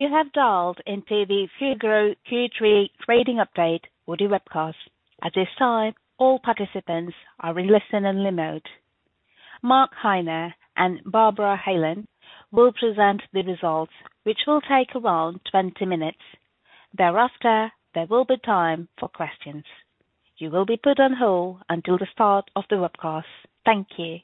You have dialed into the Fugro Q3 Trading Update Audio Webcast. At this time, all participants are in listen-only mode. Mark Heine and Barbara Geelen will present the results, which will take around 20 minutes. Thereafter, there will be time for questions. You will be put on hold until the start of the webcast. Thank you.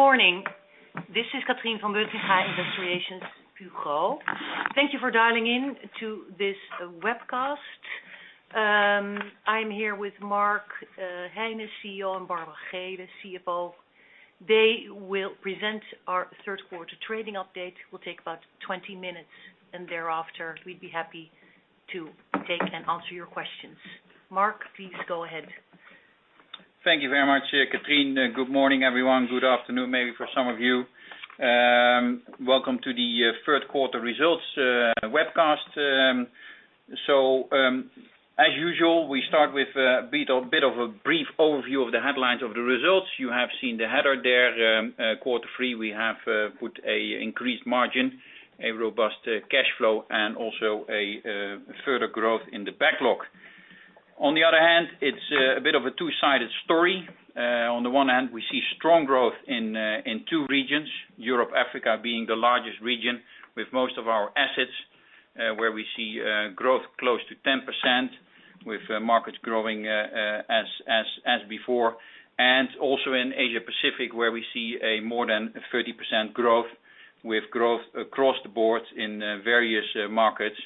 Good morning. This is Catrien van Buttingha in the relations bureau. Thank you for dialing in to this webcast. I'm here with Mark Heine, CEO, and Barbara Geelen, CFO. They will present our third quarter trading update. It will take about 20 minutes, and thereafter, we'd be happy to take and answer your questions. Mark, please go ahead. Thank you very much, Catrien. Good morning, everyone. Good afternoon, maybe, for some of you. Welcome to the third quarter results webcast. So, as usual, we start with a bit of a brief overview of the headlines of the results. You have seen the header there. Quarter three, we have put an increased margin, a robust cash flow, and also a further growth in the backlog. On the other hand, it's a bit of a two-sided story. On the one hand, we see strong growth in two regions, Europe and Africa, being the largest region with most of our assets, where we see growth close to 10%, with markets growing as before. And also in Asia-Pacific, where we see more than 30% growth, with growth across the board in various markets.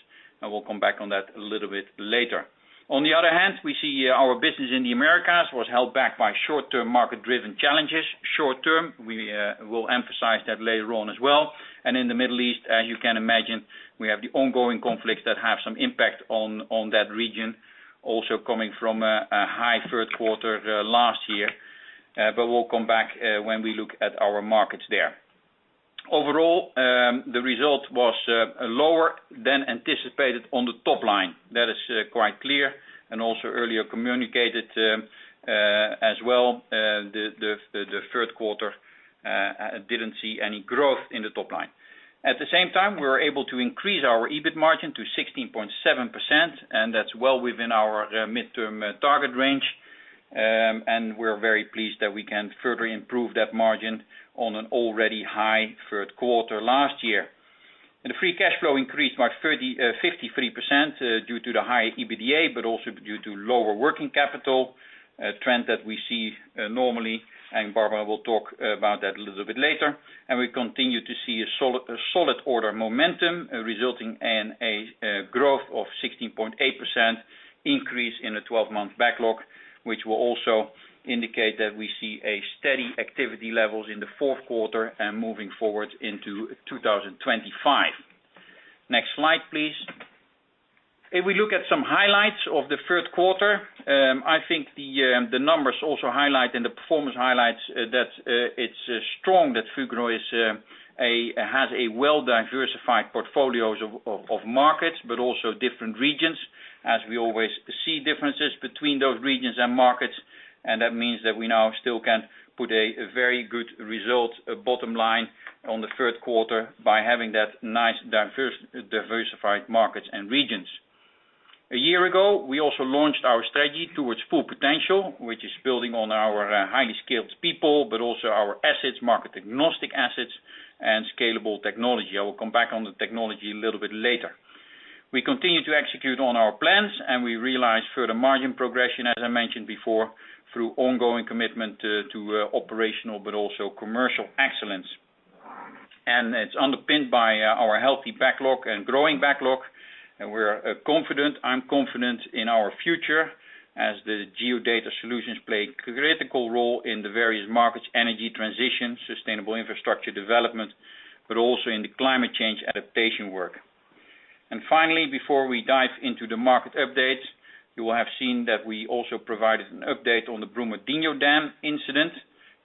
And we'll come back on that a little bit later. On the other hand, we see our business in the Americas was held back by short-term market-driven challenges, short-term, we will emphasize that later on as well, and in the Middle East, as you can imagine, we have the ongoing conflicts that have some impact on that region, also coming from a high third quarter last year, but we'll come back when we look at our markets there. Overall, the result was lower than anticipated on the top line. That is quite clear, and also earlier communicated as well. The third quarter didn't see any growth in the top line. At the same time, we were able to increase our EBIT margin to 16.7%, and that's well within our midterm target range, and we're very pleased that we can further improve that margin on an already high third quarter last year. The free cash flow increased by 53% due to the high EBITDA, but also due to lower working capital, a trend that we see normally. Barbara will talk about that a little bit later. We continue to see a solid order momentum resulting in a 16.8% increase in the 12-month backlog, which will also indicate that we see steady activity levels in the fourth quarter and moving forward into 2025. Next slide, please. If we look at some highlights of the third quarter, I think the numbers also highlight, and the performance highlights, that it's strong, that Fugro has a well-diversified portfolio of markets, but also different regions, as we always see differences between those regions and markets. That means that we now still can put a very good bottom line result on the third quarter by having that nicely diversified markets and regions. A year ago, we also launched our strategy towards full potential, which is building on our highly skilled people, but also our assets, market-agnostic assets, and scalable technology. I will come back on the technology a little bit later. We continue to execute on our plans, and we realize further margin progression, as I mentioned before, through ongoing commitment to operational, but also commercial excellence. And it's underpinned by our healthy backlog and growing backlog. And we're confident, I'm confident in our future, as the geodata solutions play a critical role in the various markets, energy transition, sustainable infrastructure development, but also in the climate change adaptation work. And finally, before we dive into the market updates, you will have seen that we also provided an update on the Brumadinho Dam incident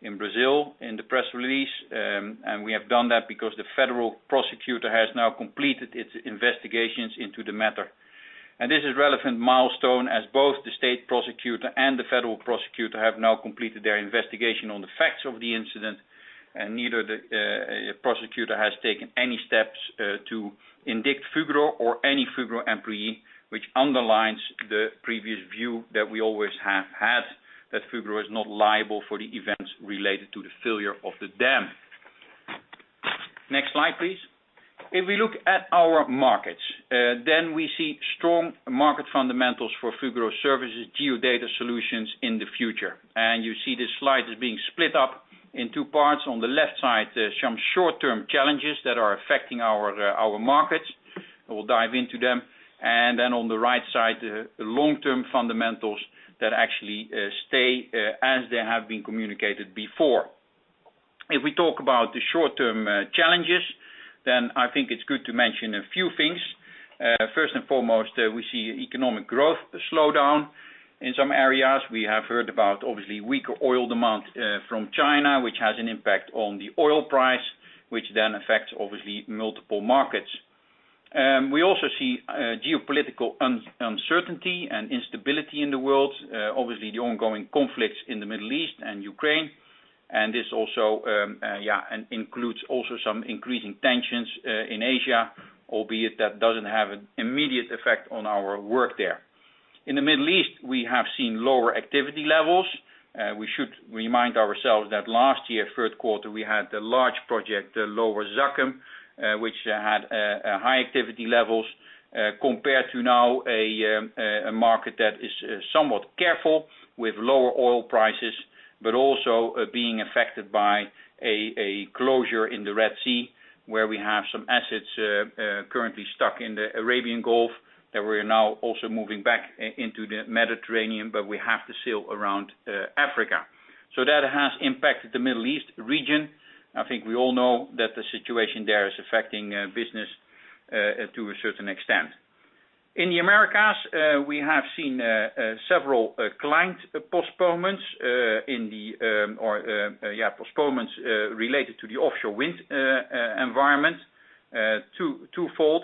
in Brazil in the press release. We have done that because the federal prosecutor has now completed its investigations into the matter. This is a relevant milestone, as both the state prosecutor and the federal prosecutor have now completed their investigation on the facts of the incident. Neither the prosecutor has taken any steps to indict Fugro or any Fugro employee, which underlines the previous view that we always have had, that Fugro is not liable for the events related to the failure of the dam. Next slide, please. If we look at our markets, then we see strong market fundamentals for Fugro services, geodata solutions in the future. You see this slide is being split up in two parts. On the left side, some short-term challenges that are affecting our markets. We'll dive into them. And then on the right side, the long-term fundamentals that actually stay as they have been communicated before. If we talk about the short-term challenges, then I think it's good to mention a few things. First and foremost, we see economic growth slowdown in some areas. We have heard about, obviously, weaker oil demand from China, which has an impact on the oil price, which then affects, obviously, multiple markets. We also see geopolitical uncertainty and instability in the world, obviously the ongoing conflicts in the Middle East and Ukraine. And this also includes some increasing tensions in Asia, albeit that doesn't have an immediate effect on our work there. In the Middle East, we have seen lower activity levels. We should remind ourselves that last year, third quarter, we had the large project, the Lower Zakum, which had high activity levels, compared to now a market that is somewhat careful with lower oil prices, but also being affected by a closure in the Red Sea, where we have some assets currently stuck in the Arabian Gulf that we are now also moving back into the Mediterranean, but we have to sail around Africa. So that has impacted the Middle East region. I think we all know that the situation there is affecting business to a certain extent. In the Americas, we have seen several client postponements related to the offshore wind environment. Twofold.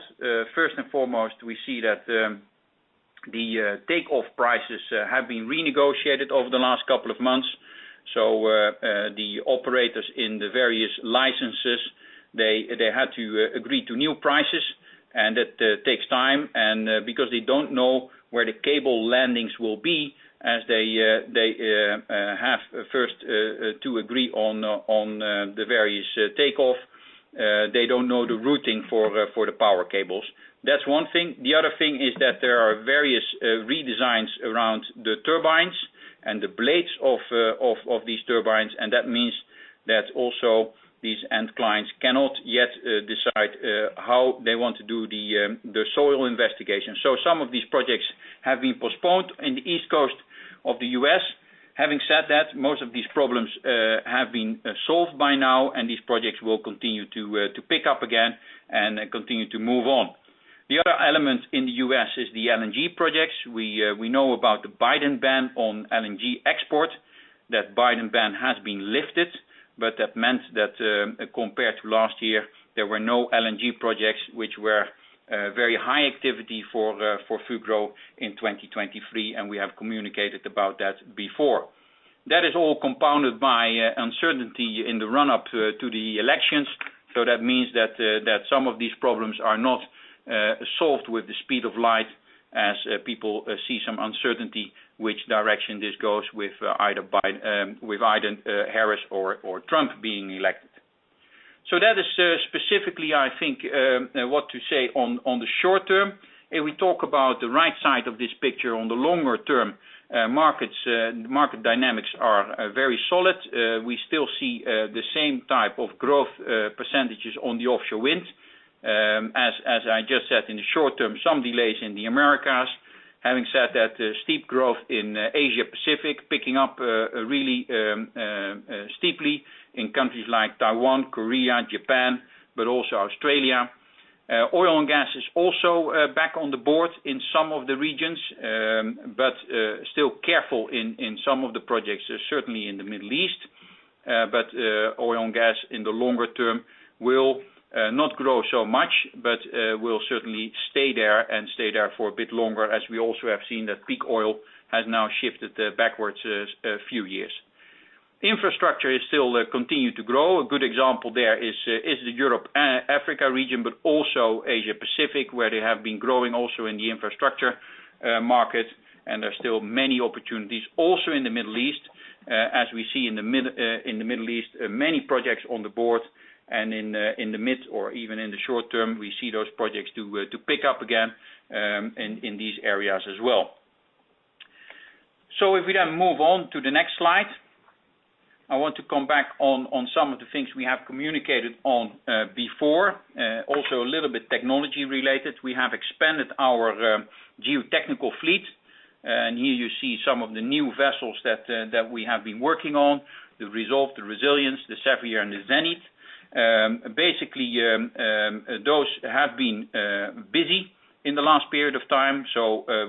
First and foremost, we see that the offtake prices have been renegotiated over the last couple of months. So the operators in the various licenses, they had to agree to new prices, and that takes time. Because they don't know where the cable landings will be, as they have first to agree on the various offtake, they don't know the routing for the power cables. That's one thing. The other thing is that there are various redesigns around the turbines and the blades of these turbines. That means that also these end clients cannot yet decide how they want to do the soil investigation. Some of these projects have been postponed in the East Coast of the U.S. Having said that, most of these problems have been solved by now, and these projects will continue to pick up again and continue to move on. The other element in the U.S. is the LNG projects. We know about the Biden ban on LNG export. That Biden ban has been lifted, but that meant that compared to last year, there were no LNG projects, which were very high activity for Fugro in 2023, and we have communicated about that before. That is all compounded by uncertainty in the run-up to the elections. So that means that some of these problems are not solved with the speed of light, as people see some uncertainty which direction this goes with either Biden or Harris or Trump being elected. So that is specifically, I think, what to say on the short term. If we talk about the right side of this picture on the longer term, market dynamics are very solid. We still see the same type of growth percentages on the offshore wind. As I just said, in the short term, some delays in the Americas. Having said that, steep growth in Asia-Pacific picking up really steeply in countries like Taiwan, Korea, Japan, but also Australia. Oil and gas is also back on the board in some of the regions, but still careful in some of the projects, certainly in the Middle East. But oil and gas in the longer term will not grow so much, but will certainly stay there and stay there for a bit longer, as we also have seen that peak oil has now shifted backwards a few years. Infrastructure is still continuing to grow. A good example there is the Europe-Africa region, but also Asia-Pacific, where they have been growing also in the infrastructure market. And there are still many opportunities also in the Middle East. As we see in the Middle East, many projects on the board. In the mid or even in the short term, we see those projects to pick up again in these areas as well. If we then move on to the next slide, I want to come back on some of the things we have communicated on before, also a little bit technology related. We have expanded our geotechnical fleet. Here you see some of the new vessels that we have been working on: the Resolve, the Resilience, the Zephyr, and the Zenith. Basically, those have been busy in the last period of time.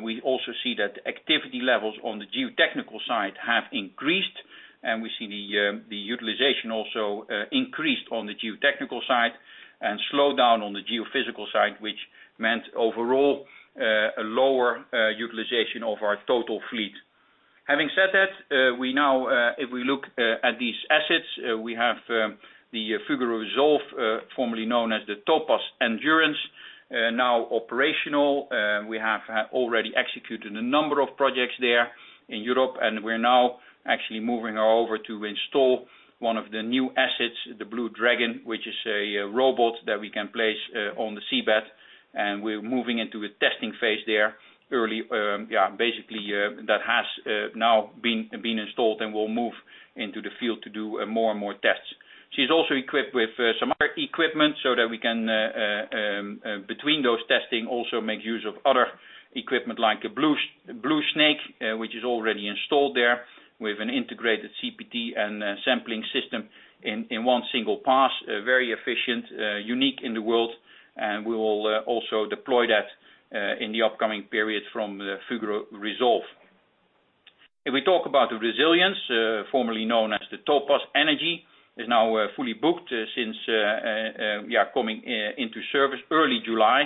We also see that activity levels on the geotechnical side have increased. We see the utilization also increased on the geotechnical side and slowed down on the geophysical side, which meant overall a lower utilization of our total fleet. Having said that, we now, if we look at these assets, we have the Fugro Resolve, formerly known as the Topaz Endurance, now operational. We have already executed a number of projects there in Europe, and we're now actually moving over to install one of the new assets, the Blue Dragon, which is a robot that we can place on the seabed. And we're moving into a testing phase there early. Yeah, basically, that has now been installed, and we'll move into the field to do more and more tests. She's also equipped with some other equipment so that we can, between those testing, also make use of other equipment like a Blue Snake, which is already installed there with an integrated CPT and sampling system in one single pass, very efficient, unique in the world. And we will also deploy that in the upcoming period from Fugro Resolve. If we talk about the Resilience, formerly known as the Topaz Energy, is now fully booked since coming into service early July.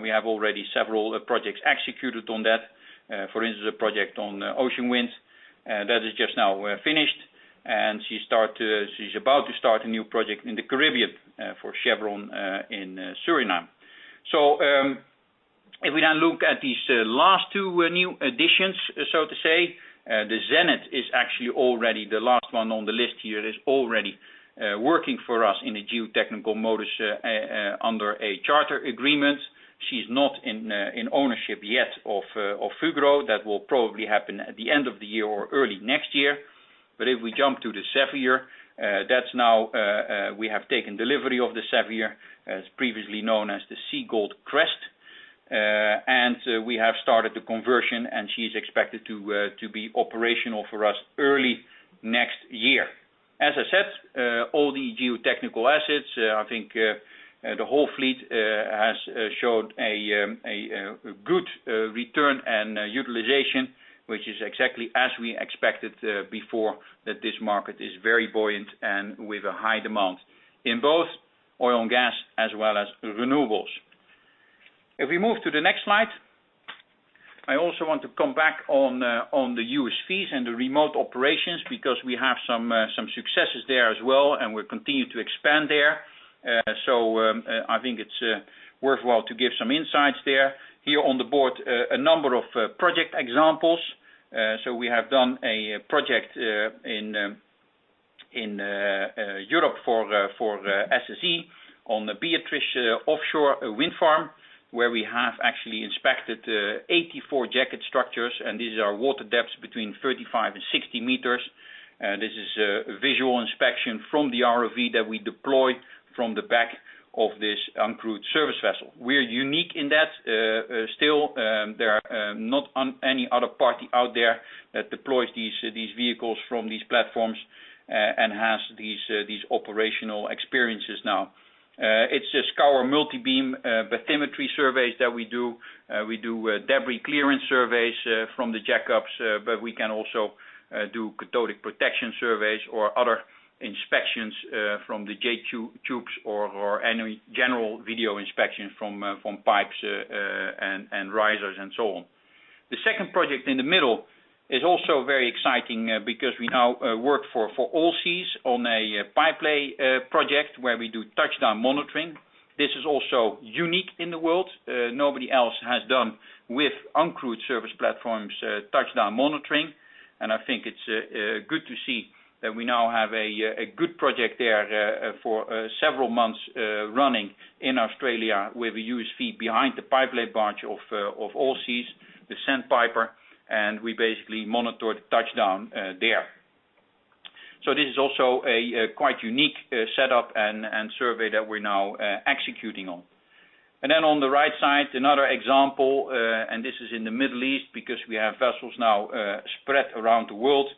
We have already several projects executed on that. For instance, a project on offshore wind that is just now finished. She is about to start a new project in the Caribbean for Chevron in Suriname. If we then look at these last two new additions, so to say, the Zenith is actually already the last one on the list here is already working for us in the geotechnical mode under a charter agreement. She is not in ownership yet of Fugro. That will probably happen at the end of the year or early next year. If we jump to the Zephyr, that is now we have taken delivery of the Zephyr, as previously known as the Sea Goldcrest. We have started the conversion, and she is expected to be operational for us early next year. As I said, all the geotechnical assets, I think the whole fleet has showed a good return and utilization, which is exactly as we expected before that this market is very buoyant and with a high demand in both oil and gas as well as renewables. If we move to the next slide, I also want to come back on the USVs and the remote operations because we have some successes there as well, and we'll continue to expand there. I think it's worthwhile to give some insights there. Here on the board, a number of project examples. We have done a project in Europe for SSE on the Beatrice Offshore Wind Farm, where we have actually inspected 84 jacket structures. These are water depths between 35 and 60 meters. This is a visual inspection from the ROV that we deploy from the back of this uncrewed surface vessel. We're unique in that still. There are not any other party out there that deploys these vehicles from these platforms and has these operational experiences now. It's a scour multi-beam bathymetry surveys that we do. We do debris clearance surveys from the jackups, but we can also do cathodic protection surveys or other inspections from the J-tubes or any general video inspection from pipes and risers and so on. The second project in the middle is also very exciting because we now work for Allseas on a pipelay project where we do touchdown monitoring. This is also unique in the world. Nobody else has done with uncrewed surface platforms touchdown monitoring. And I think it's good to see that we now have a good project there for several months running in Australia with a USV behind the pipelay barge of Allseas, the Sandpiper. And we basically monitor the touchdown there. So this is also a quite unique setup and survey that we're now executing on. And then on the right side, another example, and this is in the Middle East because we have vessels now spread around the world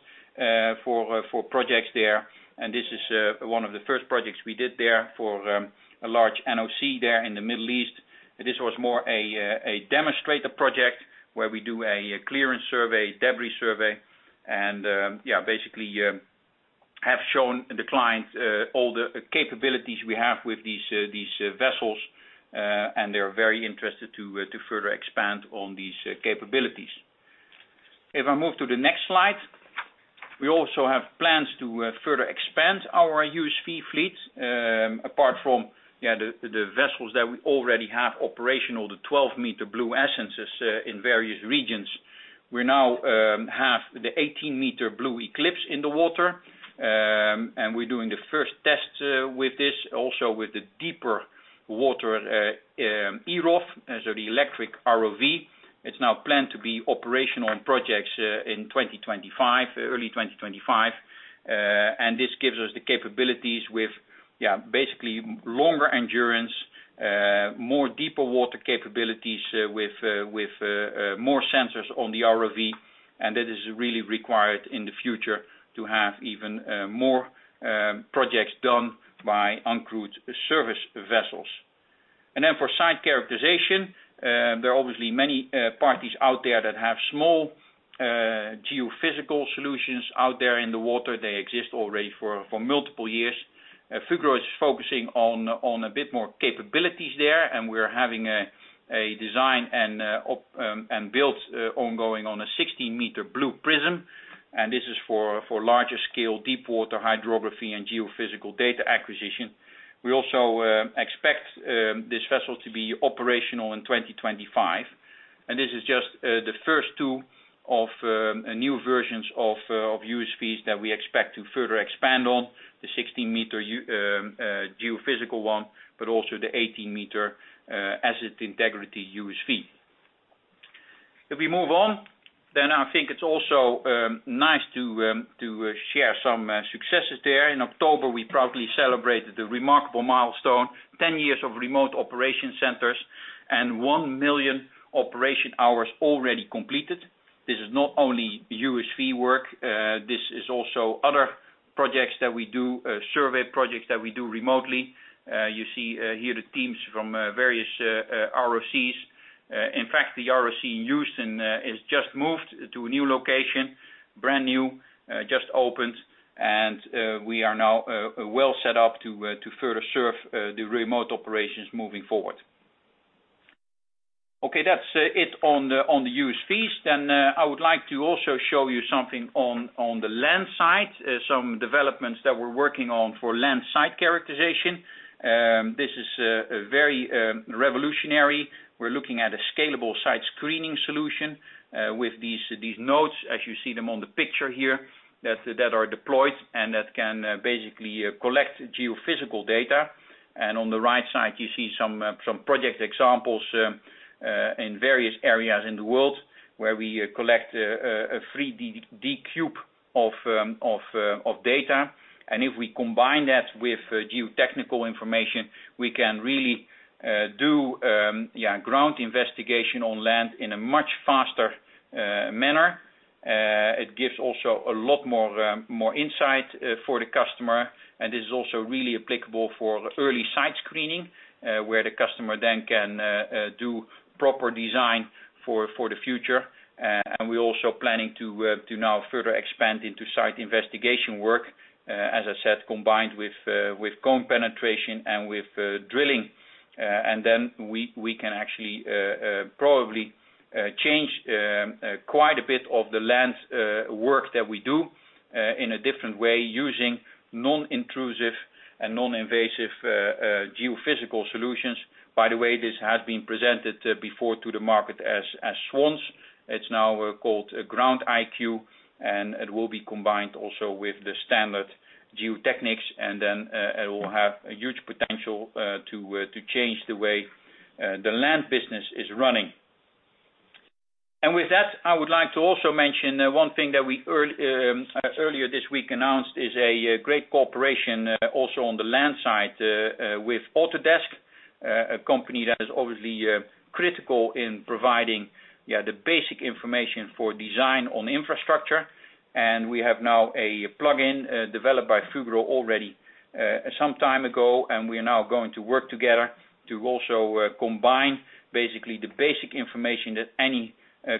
for projects there. And this is one of the first projects we did there for a large NOC there in the Middle East. This was more a demonstrator project where we do a clearance survey, debris survey, and yeah, basically have shown the client all the capabilities we have with these vessels. And they're very interested to further expand on these capabilities. If I move to the next slide, we also have plans to further expand our USV fleet apart from the vessels that we already have operational, the 12-meter Blue Essences in various regions. We now have the 18-meter Blue Eclipse in the water. We're doing the first test with this also with the deeper water eROV, so the electric ROV. It's now planned to be operational on projects in 2025, early 2025. This gives us the capabilities with basically longer endurance, more deeper water capabilities with more sensors on the ROV. That is really required in the future to have even more projects done by uncrewed surface vessels. Then for site characterization, there are obviously many parties out there that have small geophysical solutions out there in the water. They exist already for multiple years. Fugro is focusing on a bit more capabilities there. We're having a design and build ongoing on a 16-meter Blue Prism. This is for larger scale deep water hydrography and geophysical data acquisition. We also expect this vessel to be operational in 2025. This is just the first two of new versions of USVs that we expect to further expand on, the 16-meter geophysical one, but also the 18-meter Asset Integrity USV. If we move on, then I think it's also nice to share some successes there. In October, we proudly celebrated the remarkable milestone, 10 years of Remote Operations Centers and one million operation hours already completed. This is not only USV work. This is also other projects that we do, survey projects that we do remotely. You see here the teams from various ROCs. In fact, the ROC in Houston is just moved to a new location, brand new, just opened. We are now well set up to further serve the remote operations moving forward. Okay, that's it on the USVs. I would like to also show you something on the land side, some developments that we're working on for land site characterization. This is very revolutionary. We're looking at a scalable site screening solution with these nodes, as you see them on the picture here, that are deployed and that can basically collect geophysical data. And on the right side, you see some project examples in various areas in the world where we collect a 3D cube of data. And if we combine that with geotechnical information, we can really do ground investigation on land in a much faster manner. It gives also a lot more insight for the customer. And this is also really applicable for early site screening where the customer then can do proper design for the future. And we're also planning to now further expand into site investigation work, as I said, combined with cone penetration and with drilling. And then we can actually probably change quite a bit of the land work that we do in a different way using non-intrusive and non-invasive geophysical solutions. By the way, this has been presented before to the market as SWANS. It's now called GroundIQ, and it will be combined also with the standard geotechniques. And then it will have a huge potential to change the way the land business is running. And with that, I would like to also mention one thing that we earlier this week announced is a great cooperation also on the land side with Autodesk, a company that is obviously critical in providing the basic information for design on infrastructure. And we have now a plug-in developed by Fugro already some time ago. And we are now going to work together to also combine basically the basic information that any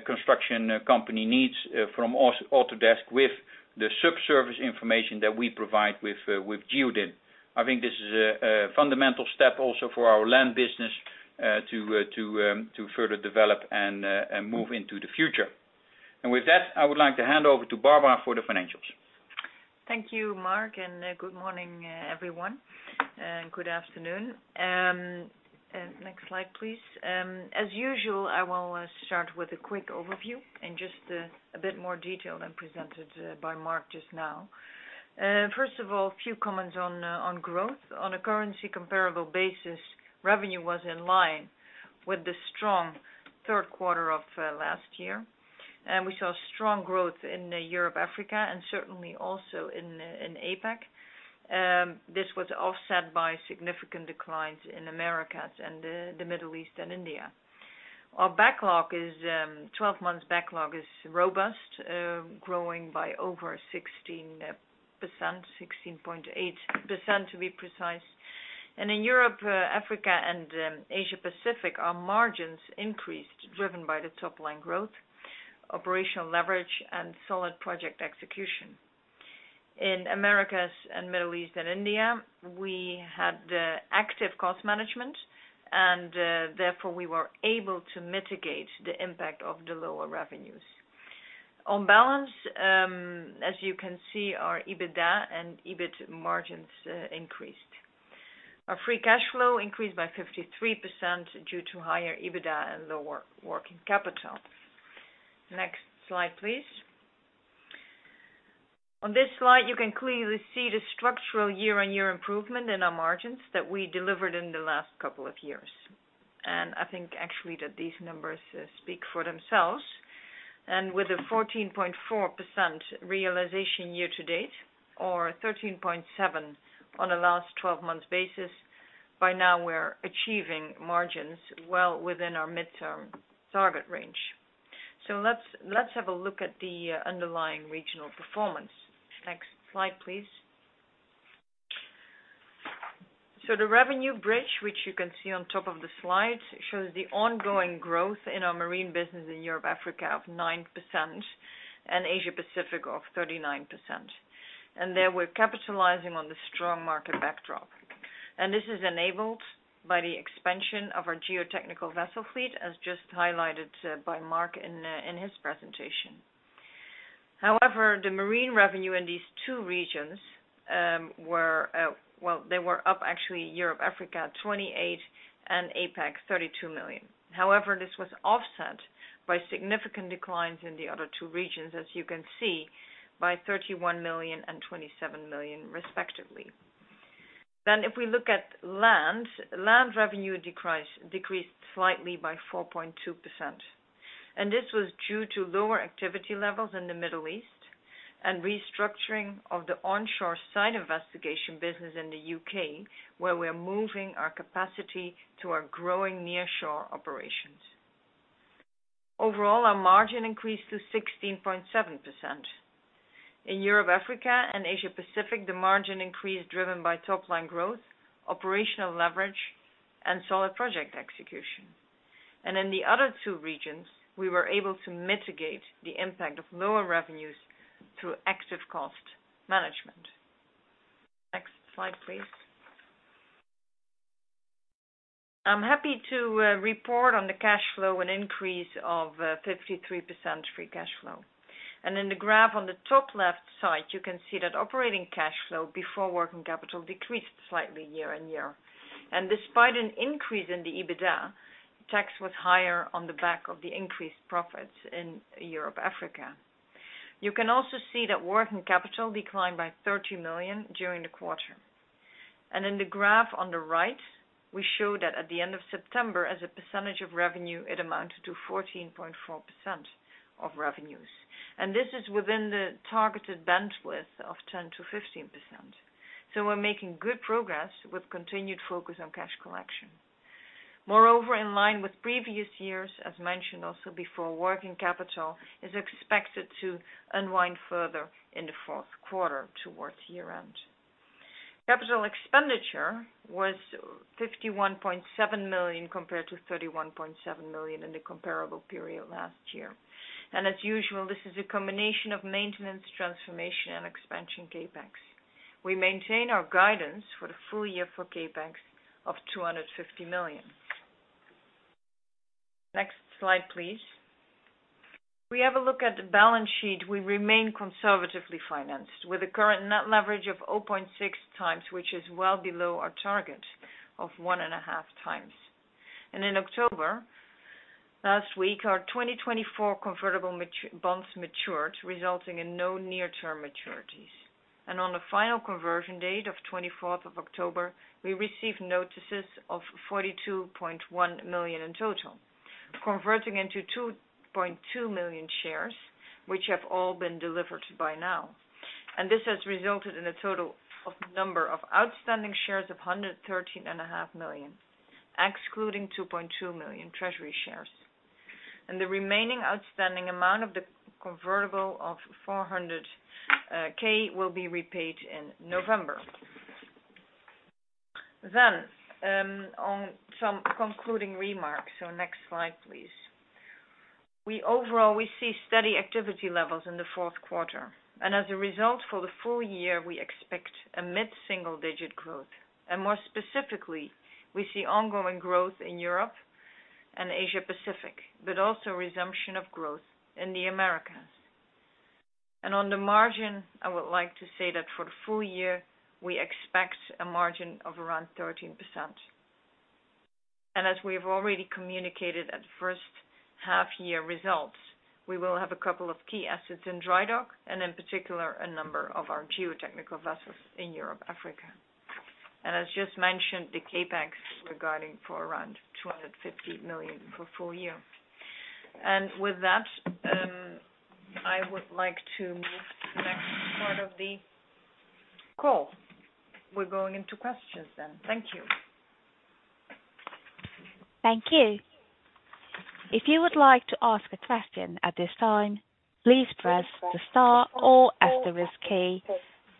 construction company needs from Autodesk with the subsurface information that we provide with GeoDin. I think this is a fundamental step also for our land business to further develop and move into the future. And with that, I would like to hand over to Barbara for the financials. Thank you, Mark. And good morning, everyone. And good afternoon. Next slide, please. As usual, I will start with a quick overview in just a bit more detail than presented by Mark just now. First of all, a few comments on growth. On a currency-comparable basis, revenue was in line with the strong third quarter of last year, and we saw strong growth in Europe, Africa, and certainly also in APAC. This was offset by significant declines in Americas and the Middle East and India. Our 12 months backlog is robust, growing by over 16%, 16.8% to be precise, and in Europe, Africa, and Asia-Pacific, our margins increased driven by the top-line growth, operational leverage, and solid project execution. In Americas and Middle East and India, we had active cost management, and therefore we were able to mitigate the impact of the lower revenues. On balance, as you can see, our EBITDA and EBIT margins increased. Our free cash flow increased by 53% due to higher EBITDA and lower working capital. Next slide, please. On this slide, you can clearly see the structural year-on-year improvement in our margins that we delivered in the last couple of years, and I think actually that these numbers speak for themselves. With a 14.4% realization year to date or 13.7% on a last 12-month basis, by now we're achieving margins well within our midterm target range. Let's have a look at the underlying regional performance. Next slide, please. The revenue bridge, which you can see on top of the slide, shows the ongoing growth in our marine business in Europe, Africa, of 9% and Asia-Pacific of 39%. There we're capitalizing on the strong market backdrop. This is enabled by the expansion of our geotechnical vessel fleet, as just highlighted by Mark in his presentation. However, the marine revenue in these two regions were well, they were up actually Europe, Africa, 28 million, and APAC, 32 million. However, this was offset by significant declines in the other two regions, as you can see, by 31 million and 27 million, respectively, then if we look at land, land revenue decreased slightly by 4.2%, and this was due to lower activity levels in the Middle East and restructuring of the onshore site investigation business in the U.K., where we're moving our capacity to our growing nearshore operations. Overall, our margin increased to 16.7%. In Europe, Africa, and Asia-Pacific, the margin increased driven by top-line growth, operational leverage, and solid project execution, and in the other two regions, we were able to mitigate the impact of lower revenues through active cost management. Next slide, please. I'm happy to report on the cash flow and increase of 53% free cash flow. And in the graph on the top left side, you can see that operating cash flow before working capital decreased slightly year-on-year. And despite an increase in the EBITDA, tax was higher on the back of the increased profits in Europe, Africa. You can also see that working capital declined by 30 million during the quarter. And in the graph on the right, we show that at the end of September, as a percentage of revenue, it amounted to 14.4% of revenues. And this is within the targeted bandwidth of 10%-15%. So we're making good progress with continued focus on cash collection. Moreover, in line with previous years, as mentioned also before, working capital is expected to unwind further in the fourth quarter towards year-end. Capital expenditure was 51.7 million compared to 31.7 million in the comparable period last year, and as usual, this is a combination of maintenance, transformation, and expansion CapEx. We maintain our guidance for the full year for CapEx of 250 million. Next slide, please. We have a look at the balance sheet. We remain conservatively financed with a current net leverage of 0.6x, which is well below our target of one and a half times, and in October last week, our 2024 convertible bonds matured, resulting in no near-term maturities, and on the final conversion date of 24th of October, we received notices of 42.1 million in total, converting into 2.2 million shares, which have all been delivered by now, and this has resulted in a total number of outstanding shares of 113.5 million, excluding 2.2 million treasury shares. And the remaining outstanding amount of the convertible of 400,000 will be repaid in November. Then on some concluding remarks. So next slide, please. Overall, we see steady activity levels in the fourth quarter. And as a result, for the full year, we expect a mid-single-digit growth. And more specifically, we see ongoing growth in Europe and Asia-Pacific, but also resumption of growth in the Americas. And on the margin, I would like to say that for the full year, we expect a margin of around 13%. And as we have already communicated at first half-year results, we will have a couple of key assets in dry dock, and in particular, a number of our geotechnical vessels in Europe, Africa. And as just mentioned, the CapEx regarding for around 250 million for full year. And with that, I would like to move to the next part of the call. We're going into questions then. Thank you. Thank you. If you would like to ask a question at this time, please press the star or asterisk key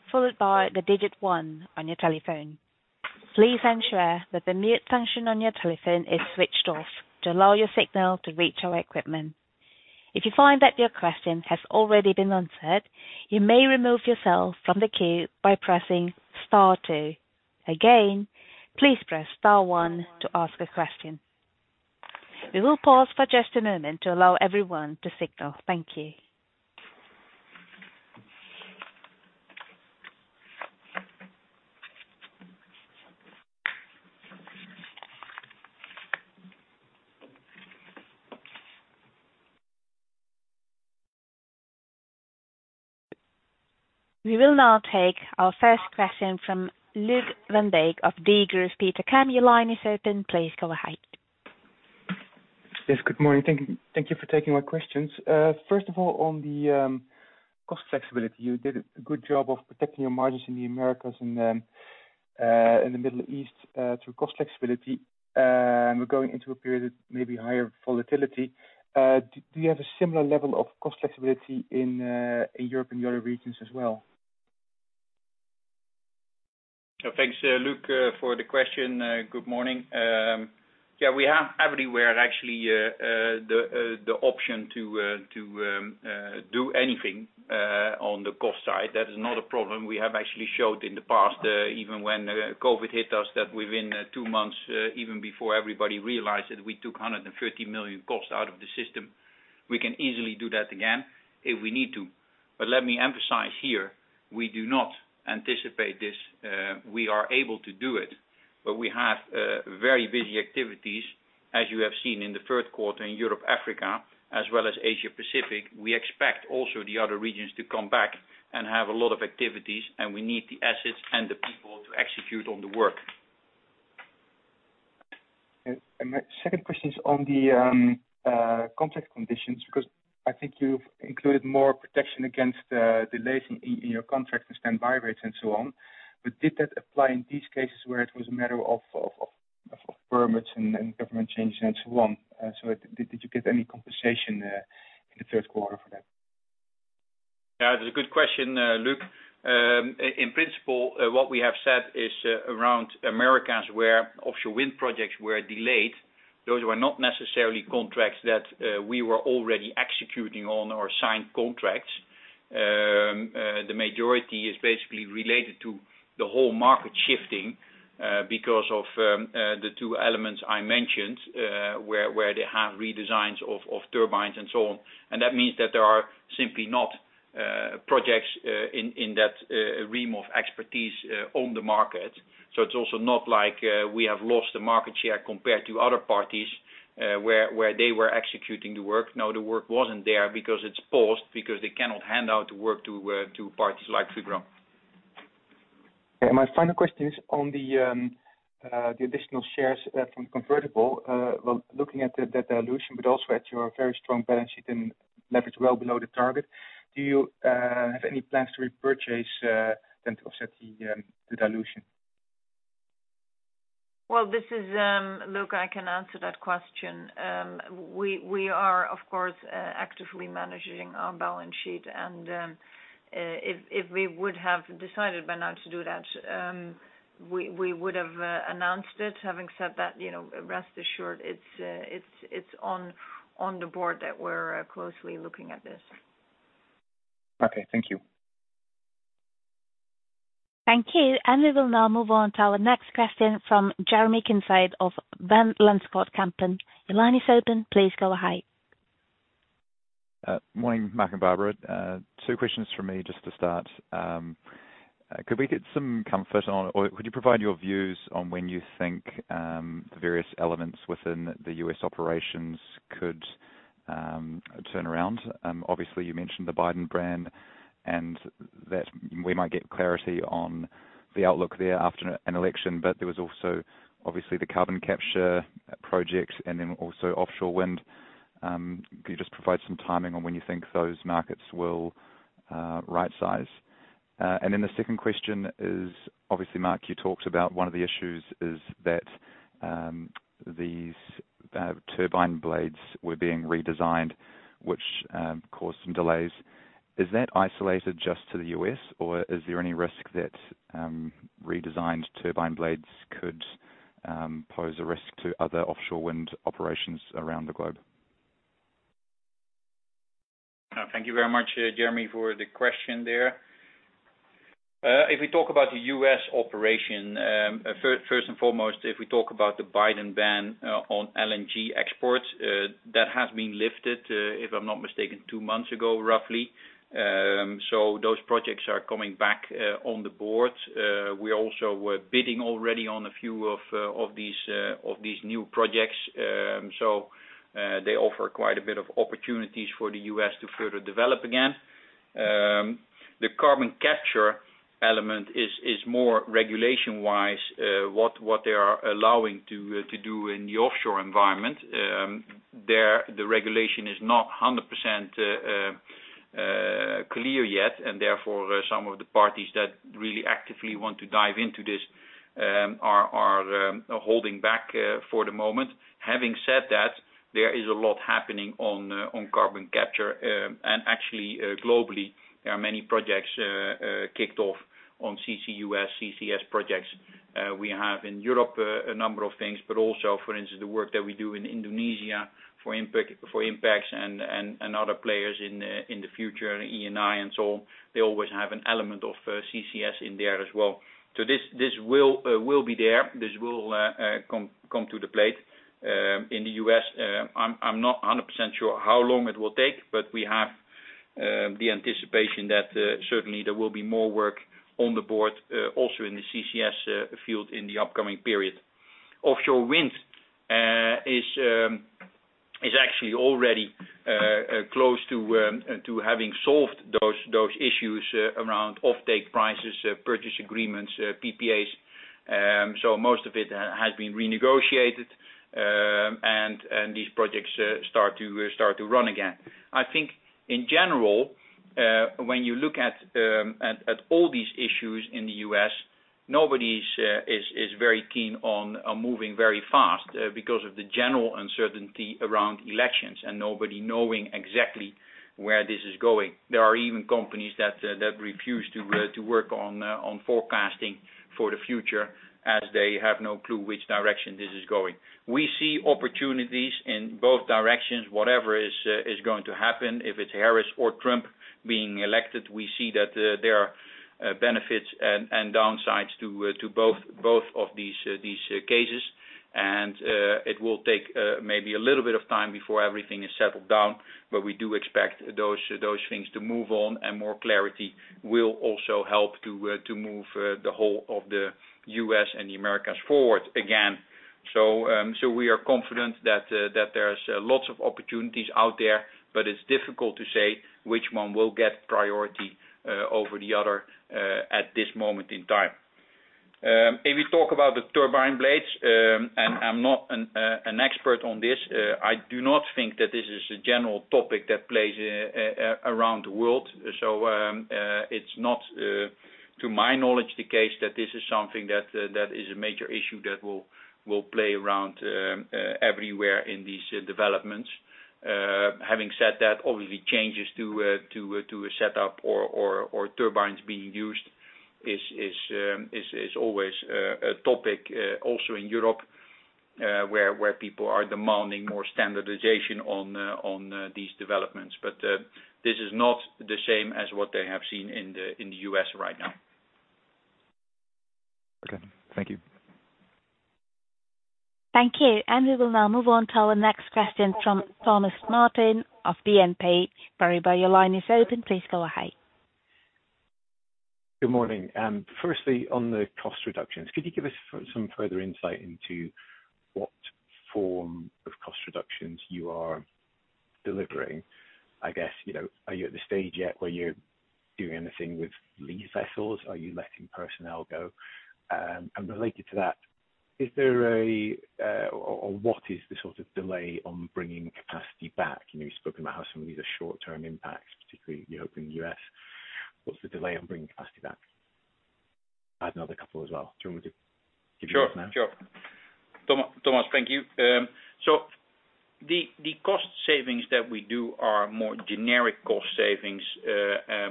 followed by the digit one on your telephone. Please ensure that the mute function on your telephone is switched off to allow your signal to reach our equipment. If you find that your question has already been answered, you may remove yourself from the queue by pressing star two. Again, please press star one to ask a question. We will pause for just a moment to allow everyone to signal. Thank you. We will now take our first question from Luuk van Dijk of Degroof Petercam. Luuk, your line is open. Please go ahead. Yes, good morning. Thank you for taking my questions. First of all, on the cost flexibility, you did a good job of protecting your margins in the Americas and in the Middle East through cost flexibility. We're going into a period of maybe higher volatility. Do you have a similar level of cost flexibility in Europe and the other regions as well? Thanks, Luuk, for the question. Good morning. Yeah, we have everywhere actually the option to do anything on the cost side. That is not a problem. We have actually showed in the past, even when COVID hit us, that within two months, even before everybody realized that we took 130 million cost out of the system, we can easily do that again if we need to. But let me emphasize here, we do not anticipate this. We are able to do it, but we have very busy activities, as you have seen in the third quarter in Europe, Africa, as well as Asia-Pacific. We expect also the other regions to come back and have a lot of activities, and we need the assets and the people to execute on the work. And my second question is on the contract conditions because I think you've included more protection against delays in your contracts and standby rates and so on. But did that apply in these cases where it was a matter of permits and government changes and so on? So did you get any compensation in the third quarter for that? Yeah, that's a good question, Luuk. In principle, what we have said is around Americas where offshore wind projects were delayed, those were not necessarily contracts that we were already executing on or signed contracts. The majority is basically related to the whole market shifting because of the two elements I mentioned where they have redesigns of turbines and so on, and that means that there are simply not projects in that realm of expertise on the market, so it's also not like we have lost the market share compared to other parties where they were executing the work. Now, the work wasn't there because it's paused because they cannot hand out the work to parties like Fugro. My final question is on the additional shares from the convertible. Looking at the dilution, but also at your very strong balance sheet and leverage well below the target, do you have any plans to repurchase then to offset the dilution? Well, this is, Luuk, I can answer that question. We are, of course, actively managing our balance sheet. And if we would have decided by now to do that, we would have announced it. Having said that, rest assured, it's on the board that we're closely looking at this. Okay, thank you. Thank you. And we will now move on to our next question from Jeremy Kincaid of Van Lanschot Kempen. Your line is open. Please go ahead. Morning, Mark and Barbara. Two questions for me just to start. Could we get some comfort on, or could you provide your views on when you think the various elements within the U.S. operations could turn around? Obviously, you mentioned the Biden ban and that we might get clarity on the outlook there after an election, but there was also obviously the carbon capture project and then also offshore wind. Could you just provide some timing on when you think those markets will right-size? And then the second question is, obviously, Mark, you talked about one of the issues is that these turbine blades were being redesigned, which caused some delays. Is that isolated just to the U.S., or is there any risk that redesigned turbine blades could pose a risk to other offshore wind operations around the globe? Thank you very much, Jeremy, for the question there. If we talk about the U.S. operation, first and foremost, if we talk about the Biden ban on LNG exports, that has been lifted, if I'm not mistaken, two months ago, roughly. So those projects are coming back on the board. We're also bidding already on a few of these new projects. So they offer quite a bit of opportunities for the U.S. to further develop again. The carbon capture element is more regulation-wise, what they are allowing to do in the offshore environment. There, the regulation is not 100% clear yet, and therefore, some of the parties that really actively want to dive into this are holding back for the moment. Having said that, there is a lot happening on carbon capture, and actually, globally, there are many projects kicked off on CCUS, CCS projects. We have in Europe a number of things, but also, for instance, the work that we do in Indonesia for INPEX and other players in the future, Eni and so on. They always have an element of CCS in there as well. This will be there. This will come to the plate. In the U.S., I'm not 100% sure how long it will take, but we have the anticipation that certainly there will be more work on the board also in the CCS field in the upcoming period. Offshore wind is actually already close to having solved those issues around offtake prices, purchase agreements, PPAs, so most of it has been renegotiated, and these projects start to run again. I think, in general, when you look at all these issues in the U.S., nobody is very keen on moving very fast because of the general uncertainty around elections and nobody knowing exactly where this is going. There are even companies that refuse to work on forecasting for the future as they have no clue which direction this is going. We see opportunities in both directions, whatever is going to happen. If it's Harris or Trump being elected, we see that there are benefits and downsides to both of these cases. And it will take maybe a little bit of time before everything is settled down, but we do expect those things to move on, and more clarity will also help to move the whole of the U.S. and the Americas forward again. So we are confident that there are lots of opportunities out there, but it's difficult to say which one will get priority over the other at this moment in time. If we talk about the turbine blades, and I'm not an expert on this, I do not think that this is a general topic that plays around the world. So it's not, to my knowledge, the case that this is something that is a major issue that will play around everywhere in these developments. Having said that, obviously, changes to a setup or turbines being used is always a topic also in Europe where people are demanding more standardization on these developments. But this is not the same as what they have seen in the U.S. right now. Okay, thank you. Thank you. And we will now move on to our next question from Thomas Martin of BNP. Barbara, your line is open. Please go ahead. Good morning. Firstly, on the cost reductions, could you give us some further insight into what form of cost reductions you are delivering? I guess, are you at the stage yet where you're doing anything with lease vessels? Are you letting personnel go? And related to that, is there or what is the sort of delay on bringing capacity back? You spoke about how some of these are short-term impacts, particularly you're hoping the U.S. What's the delay on bringing capacity back? I have another couple as well. Do you want me to give you some now? Sure. Thomas, thank you. So the cost savings that we do are more generic cost savings,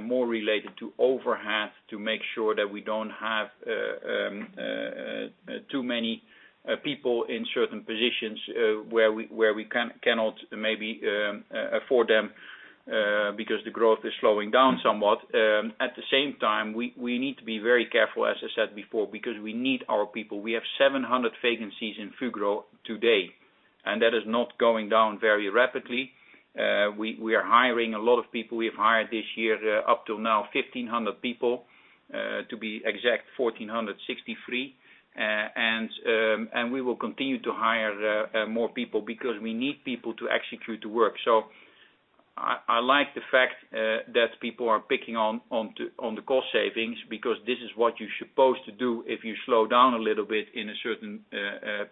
more related to overhead to make sure that we don't have too many people in certain positions where we cannot maybe afford them because the growth is slowing down somewhat. At the same time, we need to be very careful, as I said before, because we need our people. We have 700 vacancies in Fugro today, and that is not going down very rapidly. We are hiring a lot of people. We have hired this year up to now 1,500 people, to be exact, 1,463. And we will continue to hire more people because we need people to execute the work. So I like the fact that people are picking on the cost savings because this is what you're supposed to do if you slow down a little bit in a certain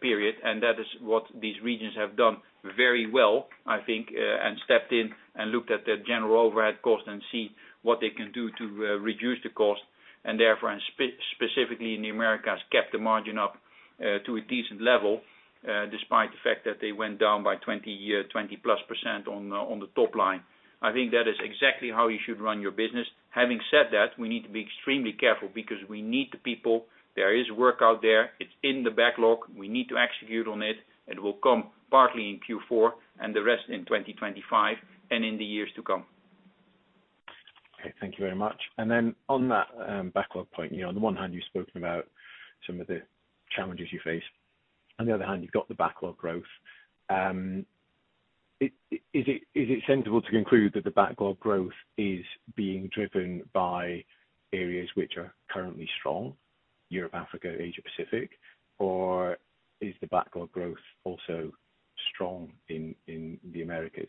period. And that is what these regions have done very well, I think, and stepped in and looked at the general overhead cost and see what they can do to reduce the cost. And therefore, specifically in the Americas, kept the margin up to a decent level despite the fact that they went down by 20-plus% on the top line. I think that is exactly how you should run your business. Having said that, we need to be extremely careful because we need the people. There is work out there. It's in the backlog. We need to execute on it. It will come partly in Q4 and the rest in 2025 and in the years to come. Okay, thank you very much. And then on that backlog point, on the one hand, you've spoken about some of the challenges you face. On the other hand, you've got the backlog growth. Is it sensible to conclude that the backlog growth is being driven by areas which are currently strong, Europe, Africa, Asia-Pacific, or is the backlog growth also strong in the Americas?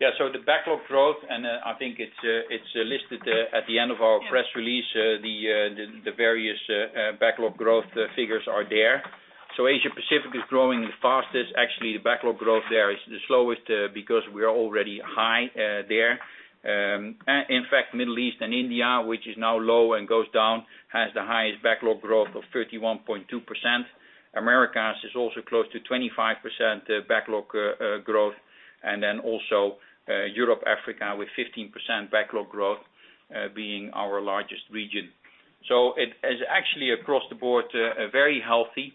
Yeah, so the backlog growth, and I think it's listed at the end of our press release, the various backlog growth figures are there. So Asia-Pacific is growing the fastest. Actually, the backlog growth there is the slowest because we are already high there. In fact, Middle East and India, which is now low and goes down, has the highest backlog growth of 31.2%. Americas is also close to 25% backlog growth. And then also Europe, Africa, with 15% backlog growth being our largest region. So it is actually across the board very healthy.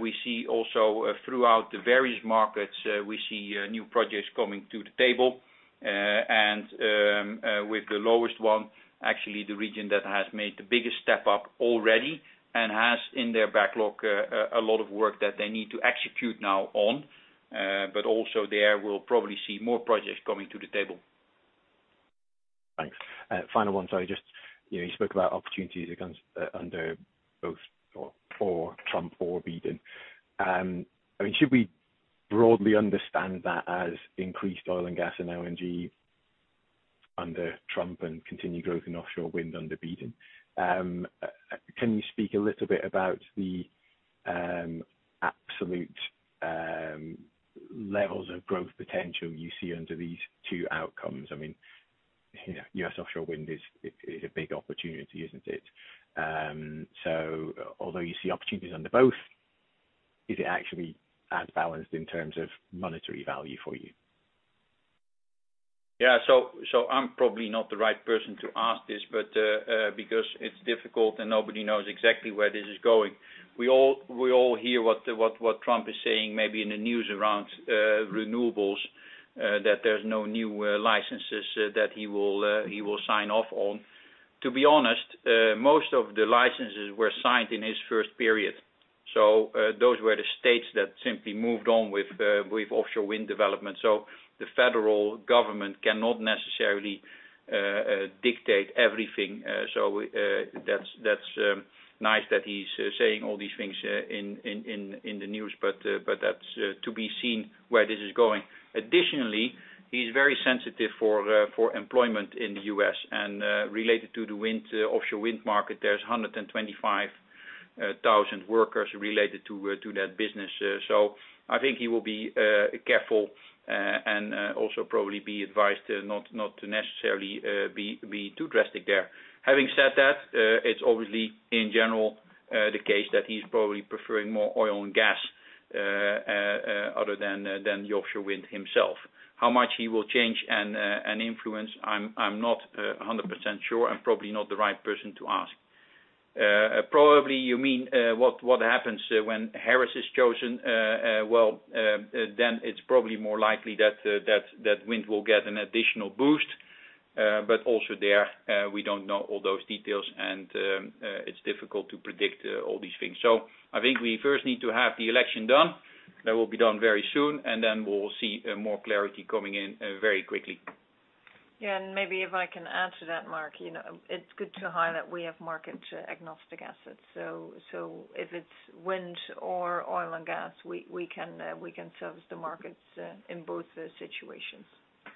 We see also throughout the various markets, we see new projects coming to the table. And with the lowest one, actually the region that has made the biggest step up already and has in their backlog a lot of work that they need to execute now on, but also there we'll probably see more projects coming to the table. Thanks. Final one, sorry. Just you spoke about opportunities under both or Trump or Biden. I mean, should we broadly understand that as increased oil and gas and LNG under Trump and continued growth in offshore wind under Biden? Can you speak a little bit about the absolute levels of growth potential you see under these two outcomes? I mean, U.S. offshore wind is a big opportunity, isn't it? So although you see opportunities under both, is it actually as balanced in terms of monetary value for you? Yeah, so I'm probably not the right person to ask this, but because it's difficult and nobody knows exactly where this is going. We all hear what Trump is saying, maybe in the news around renewables, that there's no new licenses that he will sign off on. To be honest, most of the licenses were signed in his first period. So those were the states that simply moved on with offshore wind development. So the federal government cannot necessarily dictate everything. So that's nice that he's saying all these things in the news, but that's to be seen where this is going. Additionally, he's very sensitive for employment in the U.S. And related to the offshore wind market, there's 125,000 workers related to that business. I think he will be careful and also probably be advised not to necessarily be too drastic there. Having said that, it's obviously in general the case that he's probably preferring more oil and gas other than the offshore wind himself. How much he will change and influence, I'm not 100% sure and probably not the right person to ask. Probably you mean what happens when Harris is chosen? Well, then it's probably more likely that wind will get an additional boost. But also there, we don't know all those details, and it's difficult to predict all these things. I think we first need to have the election done. That will be done very soon, and then we'll see more clarity coming in very quickly. Yeah, and maybe if I can add to that, Mark, it's good to highlight we have market-agnostic assets. So if it's wind or oil and gas, we can service the markets in both situations.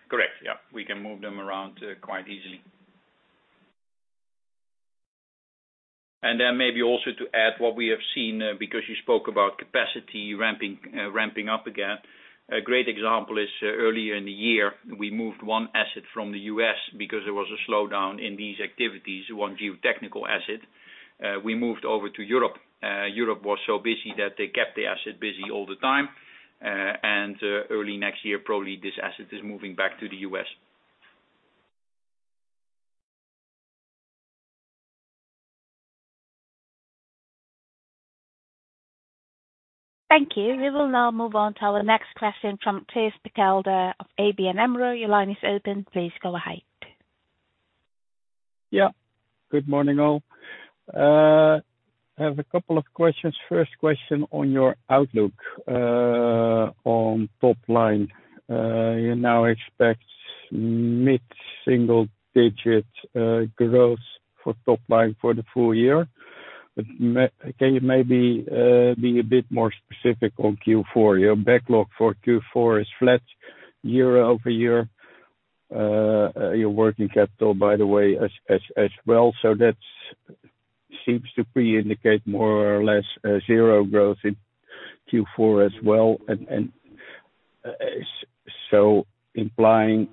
Correct. Yeah, we can move them around quite easily. And then maybe also to add what we have seen because you spoke about capacity ramping up again. A great example is earlier in the year, we moved one asset from the U.S. because there was a slowdown in these activities, one geotechnical asset. We moved over to Europe. Europe was so busy that they kept the asset busy all the time. And early next year, probably this asset is moving back to the U.S. Thank you. We will now move on to our next question from Thijs Berkelder of ABN AMRO. Your line is open. Please go ahead. Yeah, good morning all. I have a couple of questions. First question on your outlook on top line. You now expect mid-single-digit growth for top line for the full year. Can you maybe be a bit more specific on Q4? Your backlog for Q4 is flat year-over-year. Your working capital, by the way, as well, so that seems to pre-indicate more or less zero growth in Q4 as well, and so implying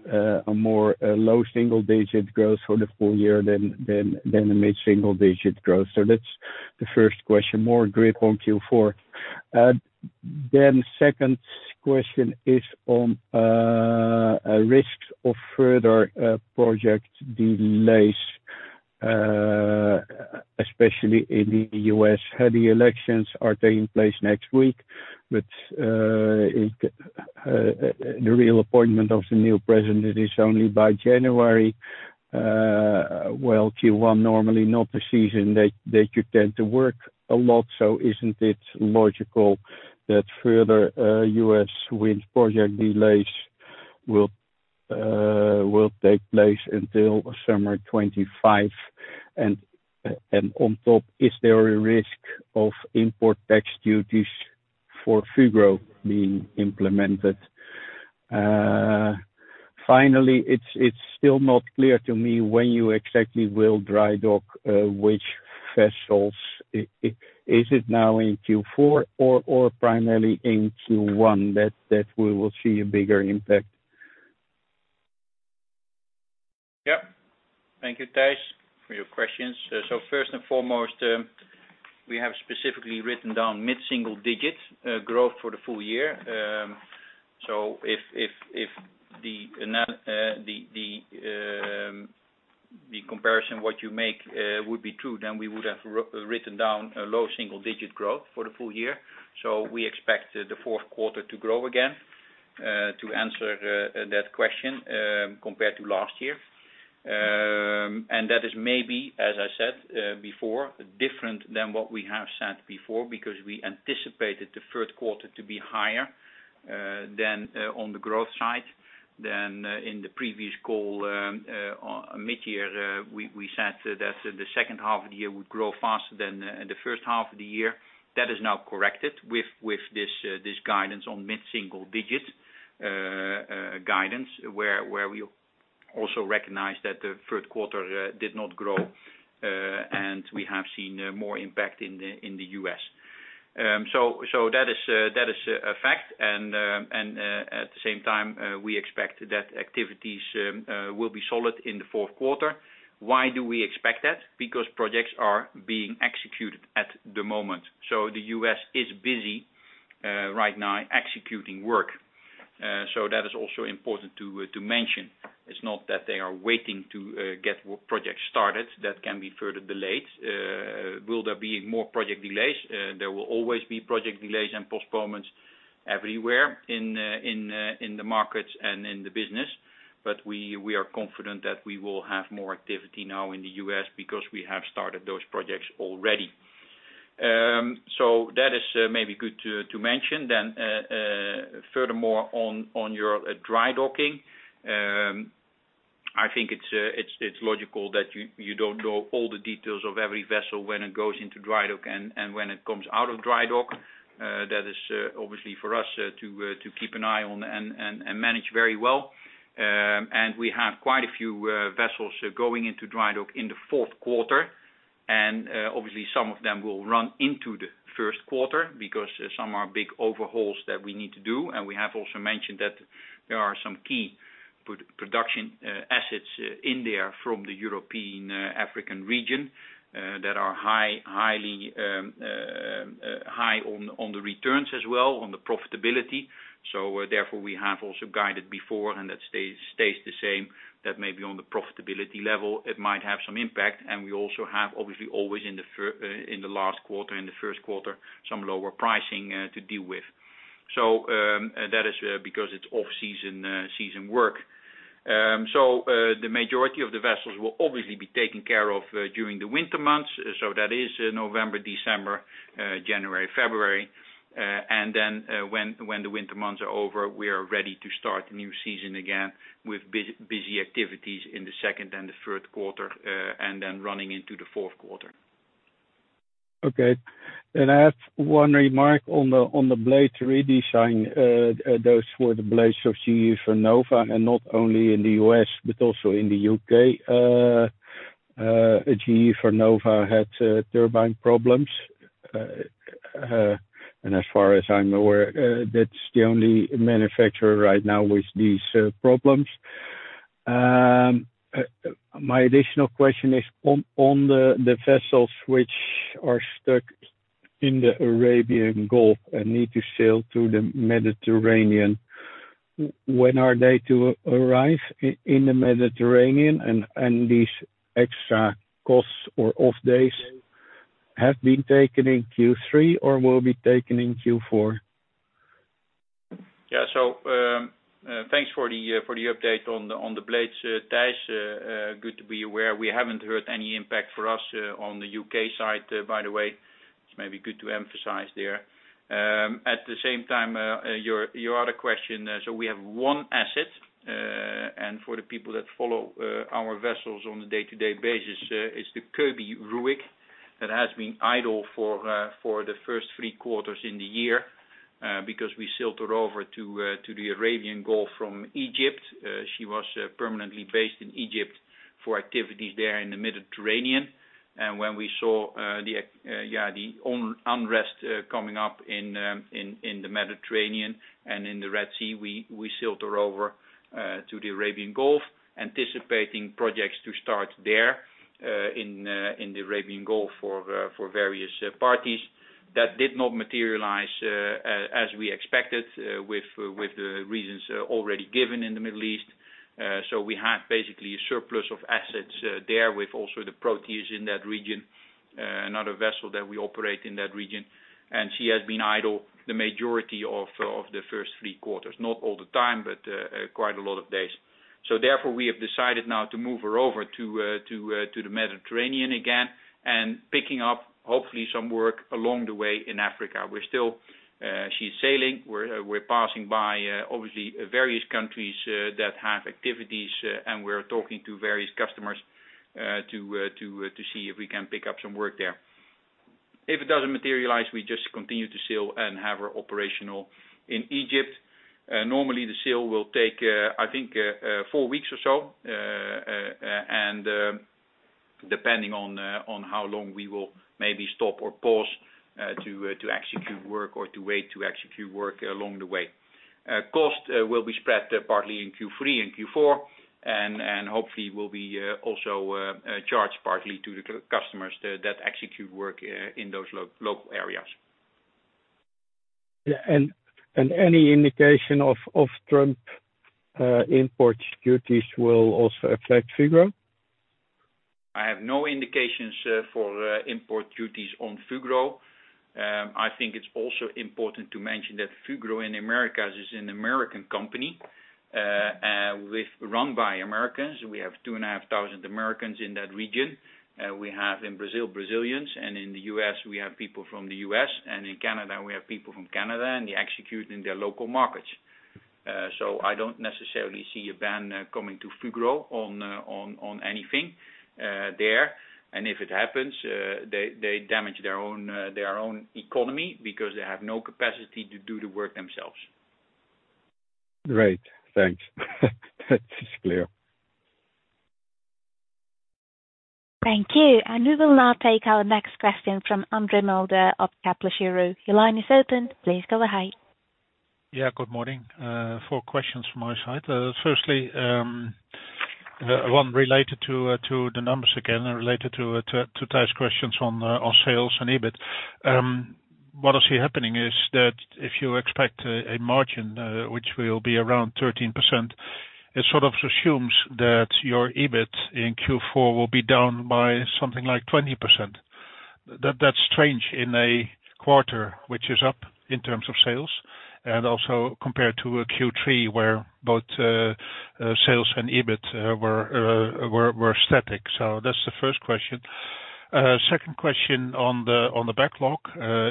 a more low single-digit growth for the full year than a mid-single-digit growth. That's the first question, more grip on Q4. Then the second question is on risks of further project delays, especially in the U.S. The elections are taking place next week, but the real appointment of the new president is only by January. Q1 normally not the season that you tend to work a lot, so isn't it logical that further U.S. wind project delays will take place until summer 2025? And on top, is there a risk of import tax duties for Fugro being implemented? Finally, it's still not clear to me when you exactly will dry dock which vessels. Is it now in Q4 or primarily in Q1 that we will see a bigger impact? Yep. Thank you, Thijs, for your questions. So first and foremost, we have specifically written down mid-single-digit growth for the full year. So if the comparison what you make would be true, then we would have written down a low single-digit growth for the full year. So we expect the fourth quarter to grow again to answer that question compared to last year. And that is maybe, as I said before, different than what we have said before because we anticipated the third quarter to be higher than on the growth side. Then in the previous call mid-year, we said that the second half of the year would grow faster than the first half of the year. That is now corrected with this guidance on mid-single-digit guidance where we also recognize that the third quarter did not grow and we have seen more impact in the U.S. So that is a fact. And at the same time, we expect that activities will be solid in the fourth quarter. Why do we expect that? Because projects are being executed at the moment. So the U.S. is busy right now executing work. So that is also important to mention. It's not that they are waiting to get projects started that can be further delayed. Will there be more project delays? There will always be project delays and postponements everywhere in the markets and in the business. But we are confident that we will have more activity now in the U.S. because we have started those projects already. So that is maybe good to mention. Then furthermore on your dry docking, I think it's logical that you don't know all the details of every vessel when it goes into dry dock and when it comes out of dry dock. That is obviously for us to keep an eye on and manage very well. And we have quite a few vessels going into dry dock in the fourth quarter. And obviously, some of them will run into the first quarter because some are big overhauls that we need to do. And we have also mentioned that there are some key production assets in there from the European African region that are highly high on the returns as well, on the profitability. So therefore, we have also guided before and that stays the same that maybe on the profitability level, it might have some impact. And we also have obviously always in the last quarter, in the first quarter, some lower pricing to deal with. So that is because it is off-season work. So the majority of the vessels will obviously be taken care of during the winter months. So that is November, December, January, February. And then when the winter months are over, we are ready to start the new season again with busy activities in the second and the third quarter and then running into the fourth quarter. Okay. And I have one remark on the blade redesign. Those were the blades of GE Vernova and not only in the U.S., but also in the U.K. GE Vernova had turbine problems. And as far as I'm aware, that's the only manufacturer right now with these problems. My additional question is on the vessels which are stuck in the Arabian Gulf and need to sail to the Mediterranean, when are they to arrive in the Mediterranean? And these extra costs or off days have been taken in Q3 or will be taken in Q4? Yeah, so thanks for the update on the blades, Thijs. Good to be aware. We haven't heard any impact for us on the UK side, by the way. It's maybe good to emphasize there. At the same time, your other question, so we have one asset. And for the people that follow our vessels on a day-to-day basis, it's the Fugro Curie that has been idle for the first three quarters in the year because we sailed her over to the Arabian Gulf from Egypt. She was permanently based in Egypt for activities there in the Mediterranean. And when we saw the unrest coming up in the Mediterranean and in the Red Sea, we sailed her over to the Arabian Gulf, anticipating projects to start there in the Arabian Gulf for various parties. That did not materialize as we expected with the reasons already given in the Middle East. So we have basically a surplus of assets there with also the Proteus in that region, another vessel that we operate in that region. And she has been idle the majority of the first three quarters. Not all the time, but quite a lot of days. So therefore, we have decided now to move her over to the Mediterranean again and picking up hopefully some work along the way in Africa. We're still, she's sailing. We're passing by obviously various countries that have activities, and we're talking to various customers to see if we can pick up some work there. If it doesn't materialize, we just continue to sail and have her operational in Egypt. Normally, the sail will take, I think, four weeks or so, and depending on how long we will maybe stop or pause to execute work or to wait to execute work along the way. Cost will be spread partly in Q3 and Q4, and hopefully will be also charged partly to the customers that execute work in those local areas. Yeah. And any indication of Trump import duties will also affect Fugro? I have no indications for import duties on Fugro. I think it's also important to mention that Fugro in America is an American company run by Americans. We have two and a half thousand Americans in that region. We have in Brazil, Brazilians. And in the U.S., we have people from the U.S.. And in Canada, we have people from Canada and they execute in their local markets. So I don't necessarily see a ban coming to Fugro on anything there. And if it happens, they damage their own economy because they have no capacity to do the work themselves. Right. Thanks. That is clear. Thank you. And we will now take our next question from André Mulder, of Kepler Cheuvreux. Your line is open. Please go ahead. Yeah, good morning. Four questions from my side. Firstly, one related to the numbers again and related to Thijs' questions on sales and EBIT. What I see happening is that if you expect a margin, which will be around 13%, it sort of assumes that your EBIT in Q4 will be down by something like 20%. That's strange in a quarter which is up in terms of sales and also compared to Q3 where both sales and EBIT were static. So that's the first question. Second question on the backlog.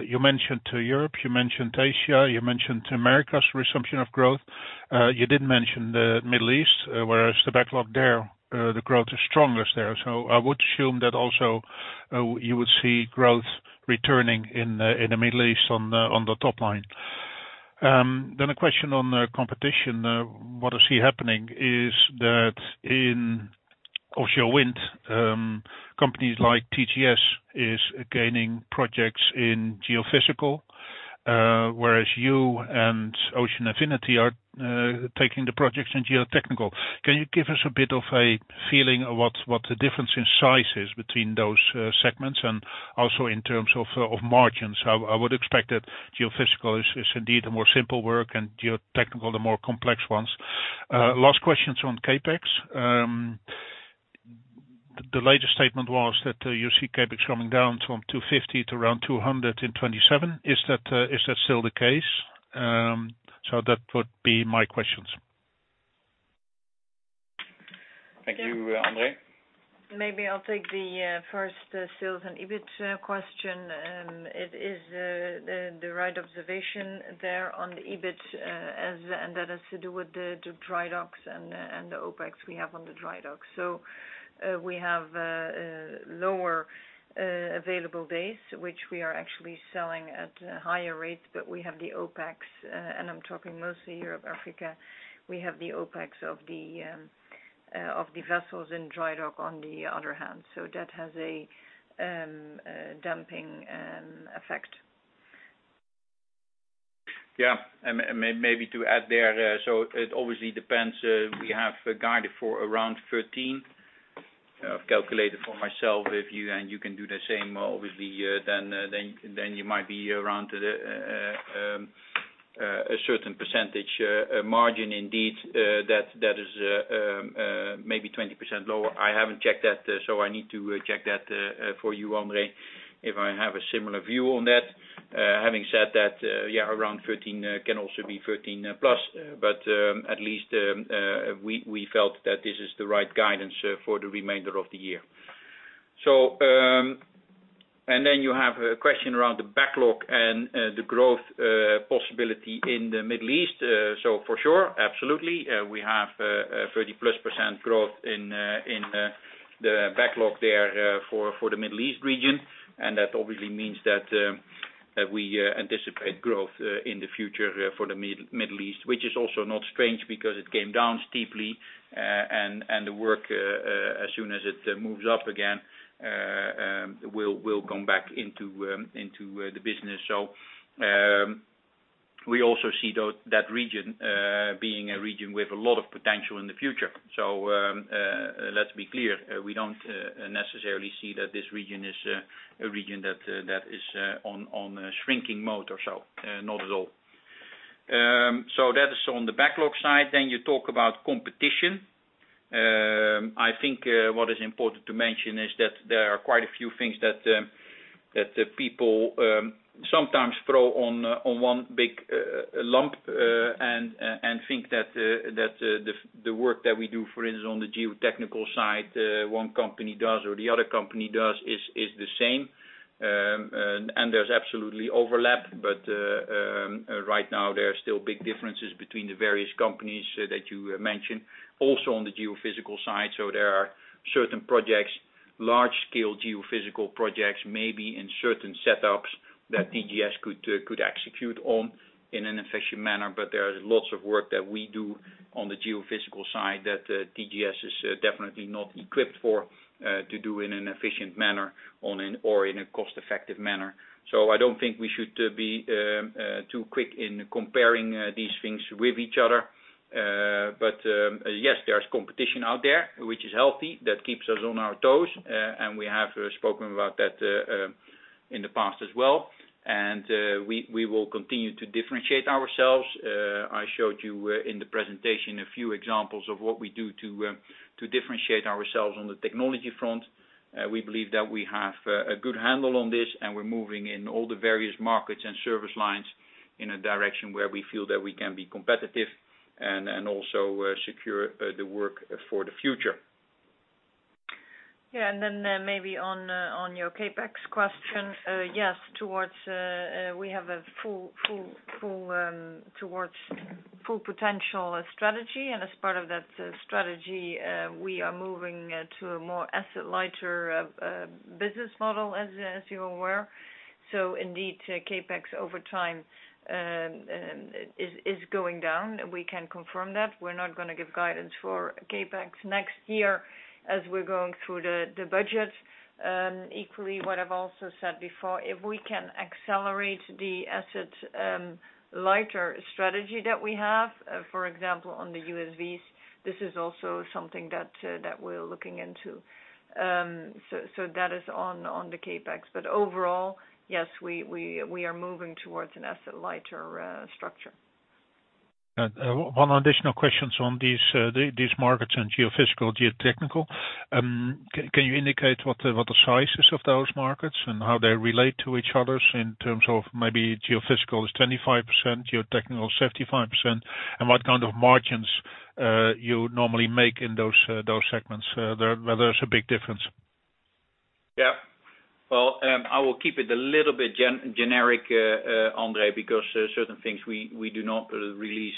You mentioned Europe. You mentioned Asia. You mentioned America's resumption of growth. You didn't mention the Middle East, whereas the backlog there, the growth is strongest there. So I would assume that also you would see growth returning in the Middle East on the top line. Then a question on competition. What I see happening is that in offshore wind, companies like TGS are gaining projects in geophysical, whereas you and Ocean Infinity are taking the projects in geotechnical. Can you give us a bit of a feeling of what the difference in size is between those segments and also in terms of margins? I would expect that geophysical is indeed the more simple work and geotechnical the more complex ones. Last questions on CapEx. The latest statement was that you see CapEx coming down from 250 to around 200 in 2027. Is that still the case? So that would be my questions. Thank you, André. Maybe I'll take the first sales and EBIT question. It is the right observation there on the EBIT, and that has to do with the dry docks and the OpEx we have on the dry docks. So we have lower available days, which we are actually selling at higher rates, but we have the OpEx, and I'm talking mostly Europe/Africa. We have the OpEx of the vessels in dry dock on the other hand. So that has a dampening effect. Yeah. And maybe to add there, so it obviously depends. We have guided for around 13. I've calculated for myself with you, and you can do the same. Obviously, then you might be around a certain percentage margin indeed that is maybe 20% lower. I haven't checked that, so I need to check that for you, André, if I have a similar view on that. Having said that, yeah, around 13 can also be 13 plus, but at least we felt that this is the right guidance for the remainder of the year. And then you have a question around the backlog and the growth possibility in the Middle East. So for sure, absolutely. We have 30-plus% growth in the backlog there for the Middle East region. And that obviously means that we anticipate growth in the future for the Middle East, which is also not strange because it came down steeply. And the work, as soon as it moves up again, will come back into the business. So we also see that region being a region with a lot of potential in the future. So let's be clear. We don't necessarily see that this region is a region that is on shrinking mode or so, not at all. So that is on the backlog side. Then you talk about competition. I think what is important to mention is that there are quite a few things that people sometimes throw on one big lump and think that the work that we do, for instance, on the geotechnical side, one company does or the other company does is the same. And there's absolutely overlap. But right now, there are still big differences between the various companies that you mentioned, also on the geophysical side. So there are certain projects, large-scale geophysical projects, maybe in certain setups that TGS could execute on in an efficient manner. But there is lots of work that we do on the geophysical side that TGS is definitely not equipped for to do in an efficient manner or in a cost-effective manner. So I don't think we should be too quick in comparing these things with each other. But yes, there's competition out there, which is healthy. That keeps us on our toes. And we have spoken about that in the past as well. And we will continue to differentiate ourselves. I showed you in the presentation a few examples of what we do to differentiate ourselves on the technology front. We believe that we have a good handle on this, and we're moving in all the various markets and service lines in a direction where we feel that we can be competitive and also secure the work for the future. Yeah, and then maybe on your CapEx question, yes, towards we have a full potential strategy. And as part of that strategy, we are moving to a more asset-lighter business model, as you're aware. So indeed, CapEx over time is going down. We can confirm that. We're not going to give guidance for CapEx next year as we're going through the budget. Equally, what I've also said before, if we can accelerate the asset-lighter strategy that we have, for example, on the USVs, this is also something that we're looking into. So that is on the CapEx. But overall, yes, we are moving towards an asset-lighter structure. One additional question on these markets and geophysical, geotechnical. Can you indicate what the sizes of those markets and how they relate to each other in terms of maybe geophysical is 25%, geotechnical is 55%, and what kind of margins you normally make in those segments? Whether there's a big difference. Yeah. Well, I will keep it a little bit generic, André, because certain things we do not release,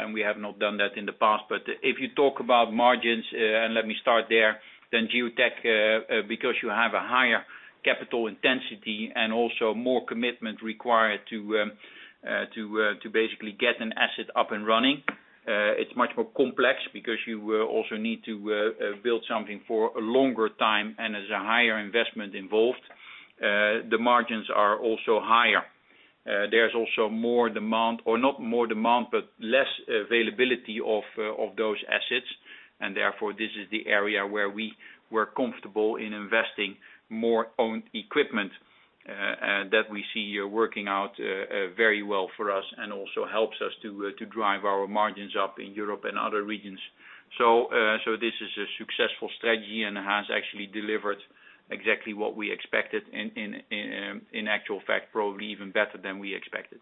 and we have not done that in the past. But if you talk about margins, and let me start there, then geotech, because you have a higher capital intensity and also more commitment required to basically get an asset up and running, it's much more complex because you also need to build something for a longer time, and there's a higher investment involved. The margins are also higher. There's also more demand, or not more demand, but less availability of those assets, and therefore this is the area where we were comfortable in investing more owned equipment that we see working out very well for us and also helps us to drive our margins up in Europe and other regions, so this is a successful strategy and has actually delivered exactly what we expected. In actual fact, probably even better than we expected,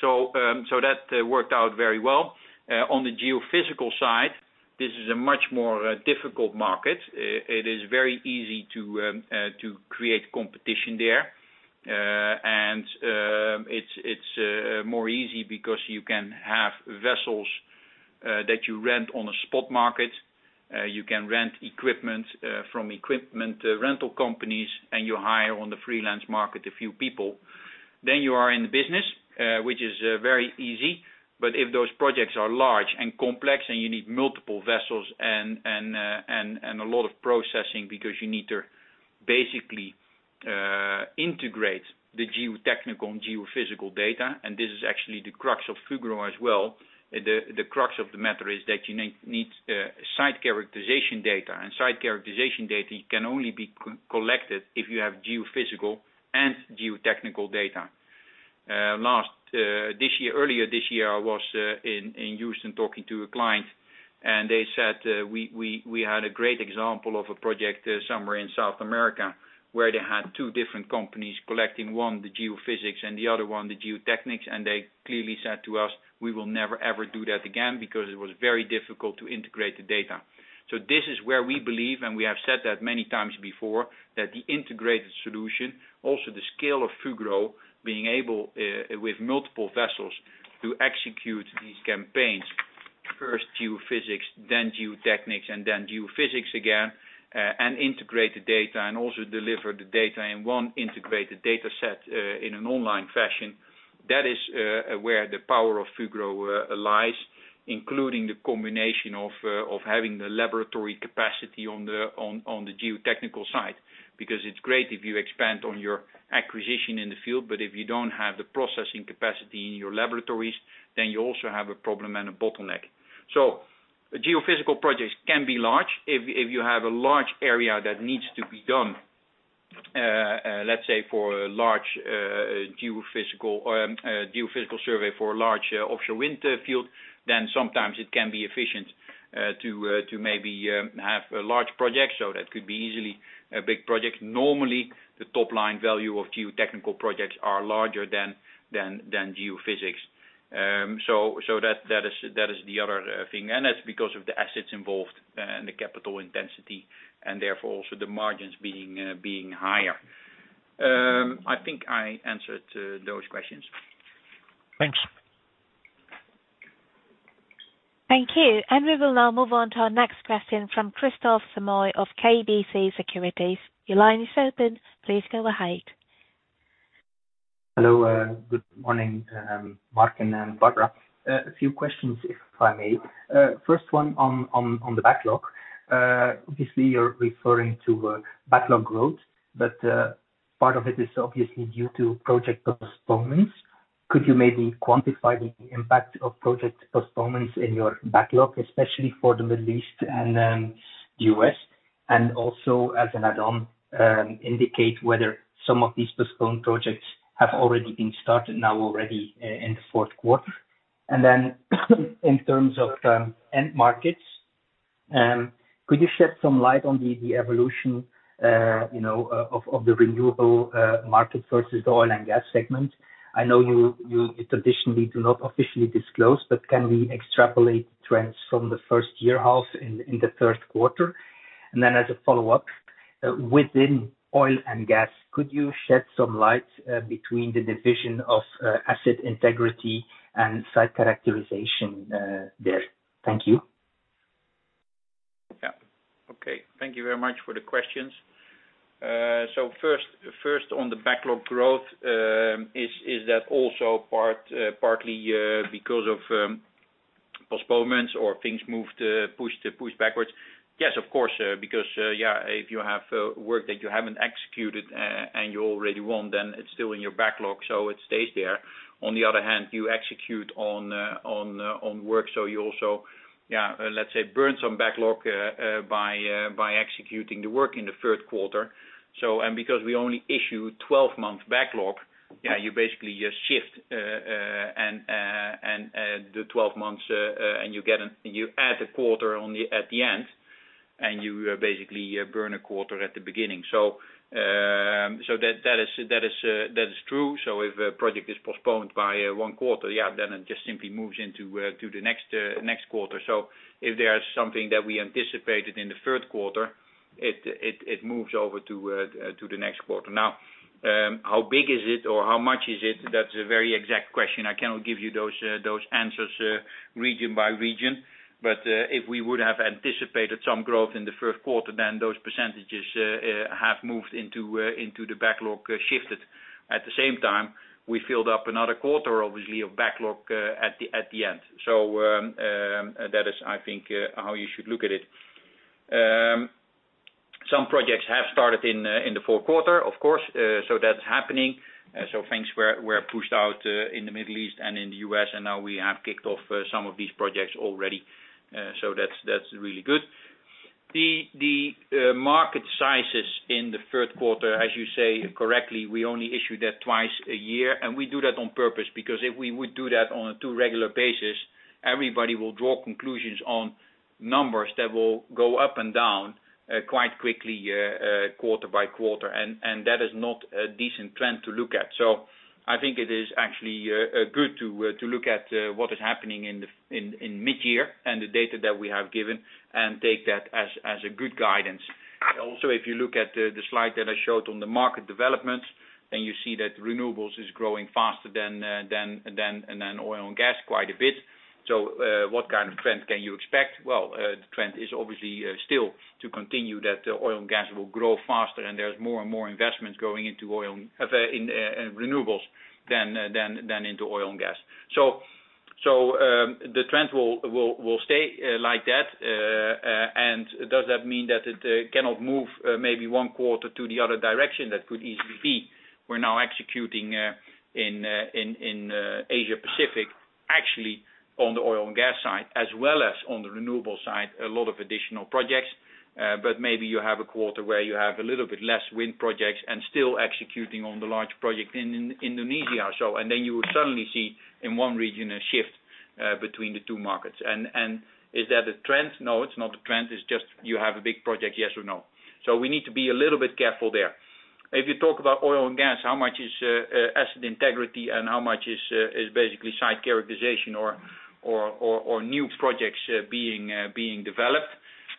so that worked out very well. On the geophysical side, this is a much more difficult market. It is very easy to create competition there, and it's more easy because you can have vessels that you rent on a spot market. You can rent equipment from equipment rental companies, and you hire on the freelance market a few people. Then you are in the business, which is very easy. But if those projects are large and complex and you need multiple vessels and a lot of processing because you need to basically integrate the geotechnical and geophysical data, and this is actually the crux of Fugro as well, the crux of the matter is that you need site characterization data. And site characterization data can only be collected if you have geophysical and geotechnical data. Earlier this year, I was in Houston talking to a client, and they said we had a great example of a project somewhere in South America where they had two different companies collecting, one the geophysics and the other one the geotechnics. They clearly said to us, "We will never, ever do that again because it was very difficult to integrate the data." This is where we believe, and we have said that many times before, that the integrated solution, also the scale of Fugro, being able with multiple vessels to execute these campaigns, first geophysics, then geotechnics, and then geophysics again, and integrate the data and also deliver the data in one integrated data set in an online fashion, that is where the power of Fugro lies, including the combination of having the laboratory capacity on the geotechnical side. Because it's great if you expand on your acquisition in the field, but if you don't have the processing capacity in your laboratories, then you also have a problem and a bottleneck. Geophysical projects can be large if you have a large area that needs to be done. Let's say for a large geophysical survey for a large offshore wind field, then sometimes it can be efficient to maybe have a large project. So that could be easily a big project. Normally, the top line value of geotechnical projects are larger than geophysics. So that is the other thing. And that's because of the assets involved and the capital intensity and therefore also the margins being higher. I think I answered those questions. Thanks. Thank you. And we will now move on to our next question from Kristof Samoy of KBC Securities. Your line is open. Please go ahead. Hello. Good morning, Mark and Barbara. A few questions, if I may. First one on the backlog. Obviously, you're referring to backlog growth, but part of it is obviously due to project postponements. Could you maybe quantify the impact of project postponements in your backlog, especially for the Middle East and the U.S.? And also, as an add-on, indicate whether some of these postponed projects have already been started now already in the fourth quarter. And then in terms of end markets, could you shed some light on the evolution of the renewable market versus the oil and gas segment? I know you traditionally do not officially disclose, but can we extrapolate trends from the first year half in the third quarter? And then as a follow-up, within oil and gas, could you shed some light between the division of asset integrity and site characterization there? Thank you. Yeah. Okay. Thank you very much for the questions. So first, on the backlog growth, is that also partly because of postponements or things pushed backwards? Yes, of course. Because, yeah, if you have work that you haven't executed and you already won, then it's still in your backlog, so it stays there. On the other hand, you execute on work, so you also, yeah, let's say, burn some backlog by executing the work in the third quarter, and because we only issue 12-month backlog, yeah, you basically just shift the 12 months and you add a quarter at the end, and you basically burn a quarter at the beginning, so that is true, so if a project is postponed by one quarter, yeah, then it just simply moves into the next quarter, so if there's something that we anticipated in the third quarter, it moves over to the next quarter. Now, how big is it or how much is it? That's a very exact question. I cannot give you those answers region by region. But if we would have anticipated some growth in the first quarter, then those percentages have moved into the backlog shifted. At the same time, we filled up another quarter, obviously, of backlog at the end. So that is, I think, how you should look at it. Some projects have started in the fourth quarter, of course. So that's happening. So things were pushed out in the Middle East and in the U.S., and now we have kicked off some of these projects already. So that's really good. The market sizes in the third quarter, as you say correctly, we only issue that twice a year. And we do that on purpose because if we would do that on a too regular basis, everybody will draw conclusions on numbers that will go up and down quite quickly quarter by quarter. And that is not a decent trend to look at. I think it is actually good to look at what is happening in mid-year and the data that we have given and take that as a good guidance. Also, if you look at the slide that I showed on the market developments, then you see that renewables is growing faster than oil and gas quite a bit. So what kind of trend can you expect? Well, the trend is obviously still to continue that oil and gas will grow faster, and there's more and more investments going into renewables than into oil and gas. So the trend will stay like that. And does that mean that it cannot move maybe one quarter to the other direction? That could easily be. We're now executing in Asia-Pacific, actually, on the oil and gas side, as well as on the renewable side, a lot of additional projects. But maybe you have a quarter where you have a little bit less wind projects and still executing on the large project in Indonesia. And then you will suddenly see in one region a shift between the two markets. And is that a trend? No, it's not a trend. It's just you have a big project, yes or no? So we need to be a little bit careful there. If you talk about oil and gas, how much is Asset Integrity and how much is basically Site Characterization or new projects being developed,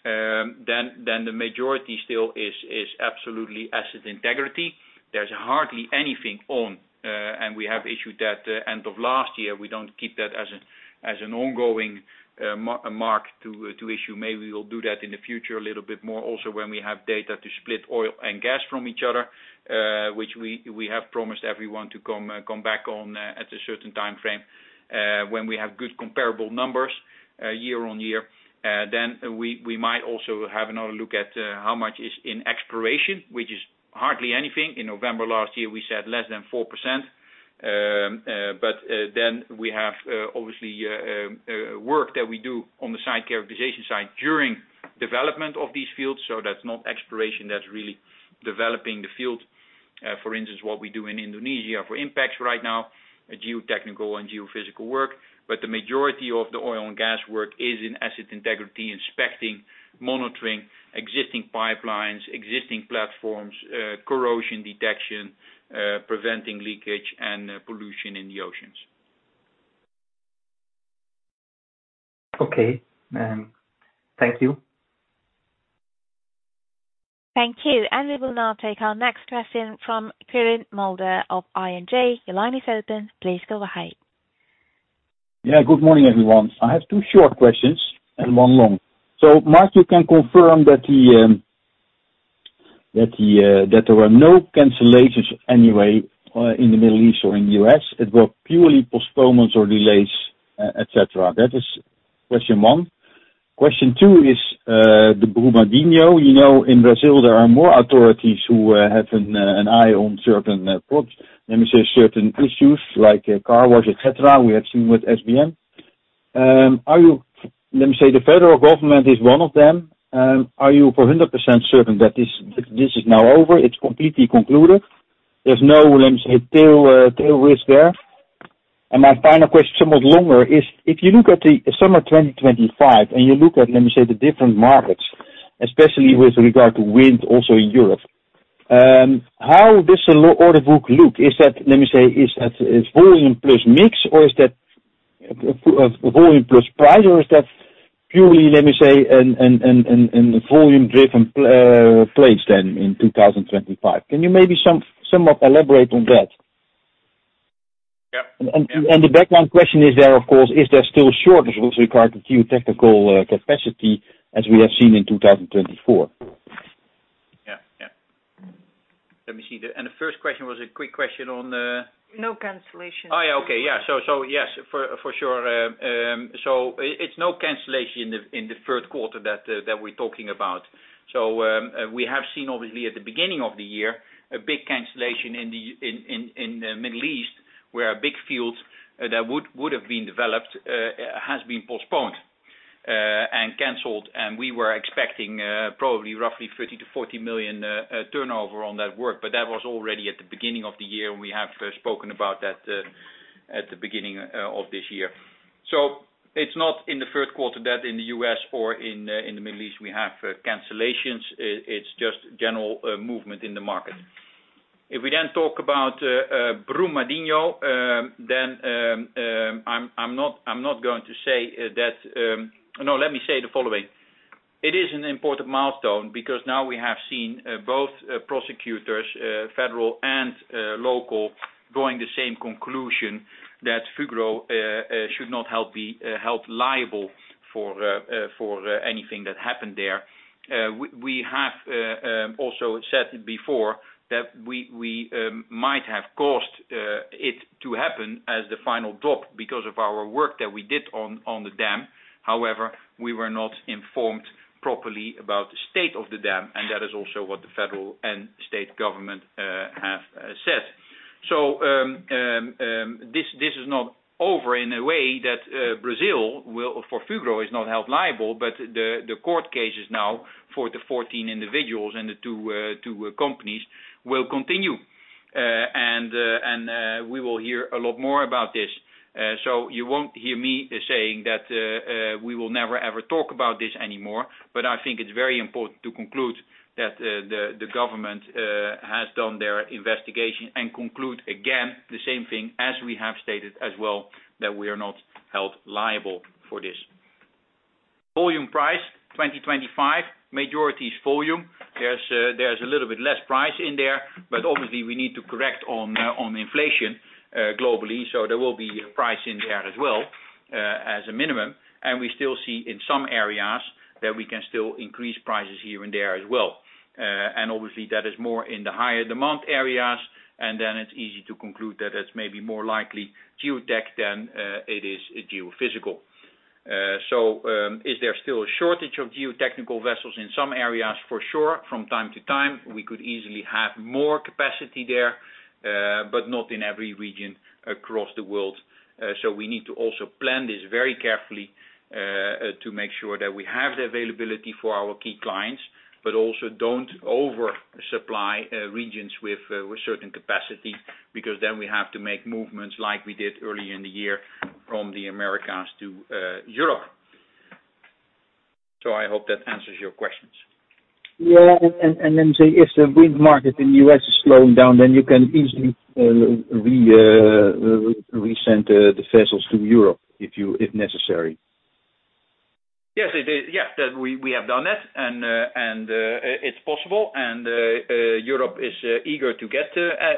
then the majority still is absolutely Asset Integrity. There's hardly anything on, and we have issued that end of last year. We don't keep that as an ongoing mark to issue. Maybe we'll do that in the future a little bit more also when we have data to split oil and gas from each other, which we have promised everyone to come back on at a certain time frame when we have good comparable numbers year on year. Then we might also have another look at how much is in exploration, which is hardly anything. In November last year, we said less than 4%. But then we have obviously work that we do on the site characterization side during development of these fields. So that's not exploration. That's really developing the field. For instance, what we do in Indonesia for INPEX right now, geotechnical and geophysical work. But the majority of the oil and gas work is in asset integrity, inspecting, monitoring existing pipelines, existing platforms, corrosion detection, preventing leakage and pollution in the oceans. Okay. Thank you. Thank you. We will now take our next question from Quirijn Mulder of ING. Your line is open. Please go ahead. Yeah. Good morning, everyone. I have two short questions and one long. So Mark, you can confirm that there were no cancellations anyway in the Middle East or in the U.S. It was purely postponements or delays, etc. That is question one. Question two is the Brumadinho. In Brazil, there are more authorities who have an eye on certain issues like Car Wash, etc. We have seen with SBM. Let me say the federal government is one of them. Are you 100% certain that this is now over? It's completely concluded. There's no, let me say, tail risk there. My final question, somewhat longer, is if you look at the summer 2025 and you look at, let me say, the different markets, especially with regard to wind also in Europe, how does the order book look? Is that, let me say, is that volume plus mix or is that volume plus price or is that purely, let me say, a volume-driven phase then in 2025? Can you maybe somewhat elaborate on that? Yeah. And the background question is there, of course, is there still shortage with regard to geotechnical capacity as we have seen in 2024? Yeah. Yeah. Let me see. And the first question was a quick question on. No cancellation. Oh, yeah. Okay. Yeah. So yes, for sure. So it's no cancellation in the third quarter that we're talking about. So we have seen, obviously, at the beginning of the year, a big cancellation in the Middle East where a big field that would have been developed has been postponed and canceled. And we were expecting probably roughly 30 million-40 million turnover on that work, but that was already at the beginning of the year. We have spoken about that at the beginning of this year. So it's not in the third quarter that, in the U.S. or in the Middle East, we have cancellations. It's just general movement in the market. If we then talk about Brumadinho then, I'm not going to say that no, let me say the following. It is an important milestone because now we have seen both prosecutors, federal and local, drawing the same conclusion that Fugro should not be held liable for anything that happened there. We have also said before that we might have caused it to happen as the final drop because of our work that we did on the dam. However, we were not informed properly about the state of the dam, and that is also what the federal and state government have said. So this is not over in a way that Brazil for Fugro is not held liable, but the court cases now for the 14 individuals and the two companies will continue, and we will hear a lot more about this. So you won't hear me saying that we will never, ever talk about this anymore, but I think it's very important to conclude that the government has done their investigation and conclude again the same thing as we have stated as well, that we are not held liable for this. Volume price, 2025, majority is volume. There's a little bit less price in there, but obviously, we need to correct on inflation globally, so there will be a price in there as well as a minimum, and we still see in some areas that we can still increase prices here and there as well, and obviously, that is more in the higher demand areas, and then it's easy to conclude that it's maybe more likely geotech than it is geophysical, so is there still a shortage of geotechnical vessels in some areas? For sure, from time to time, we could easily have more capacity there, but not in every region across the world. So we need to also plan this very carefully to make sure that we have the availability for our key clients, but also don't oversupply regions with certain capacity because then we have to make movements like we did earlier in the year from the Americas to Europe. So I hope that answers your questions. Yeah. And then say if the wind market in the U.S. is slowing down, then you can easily resend the vessels to Europe if necessary. Yes. Yeah. We have done that, and it's possible. And Europe is eager to get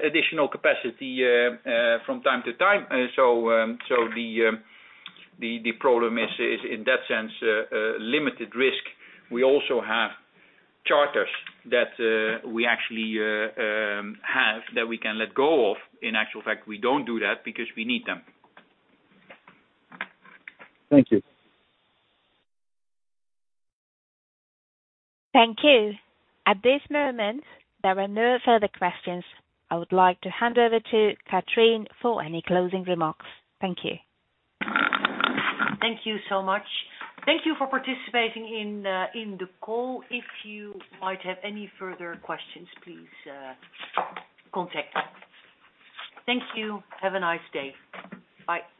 additional capacity from time to time. So the problem is, in that sense, limited risk. We also have charters that we actually have that we can let go of. In actual fact, we don't do that because we need them. Thank you. Thank you. At this moment, there are no further questions. I would like to hand over to Catrien for any closing remarks. Thank you. Thank you so much. Thank you for participating in the call. If you might have any further questions, please contact me. Thank you. Have a nice day. Bye.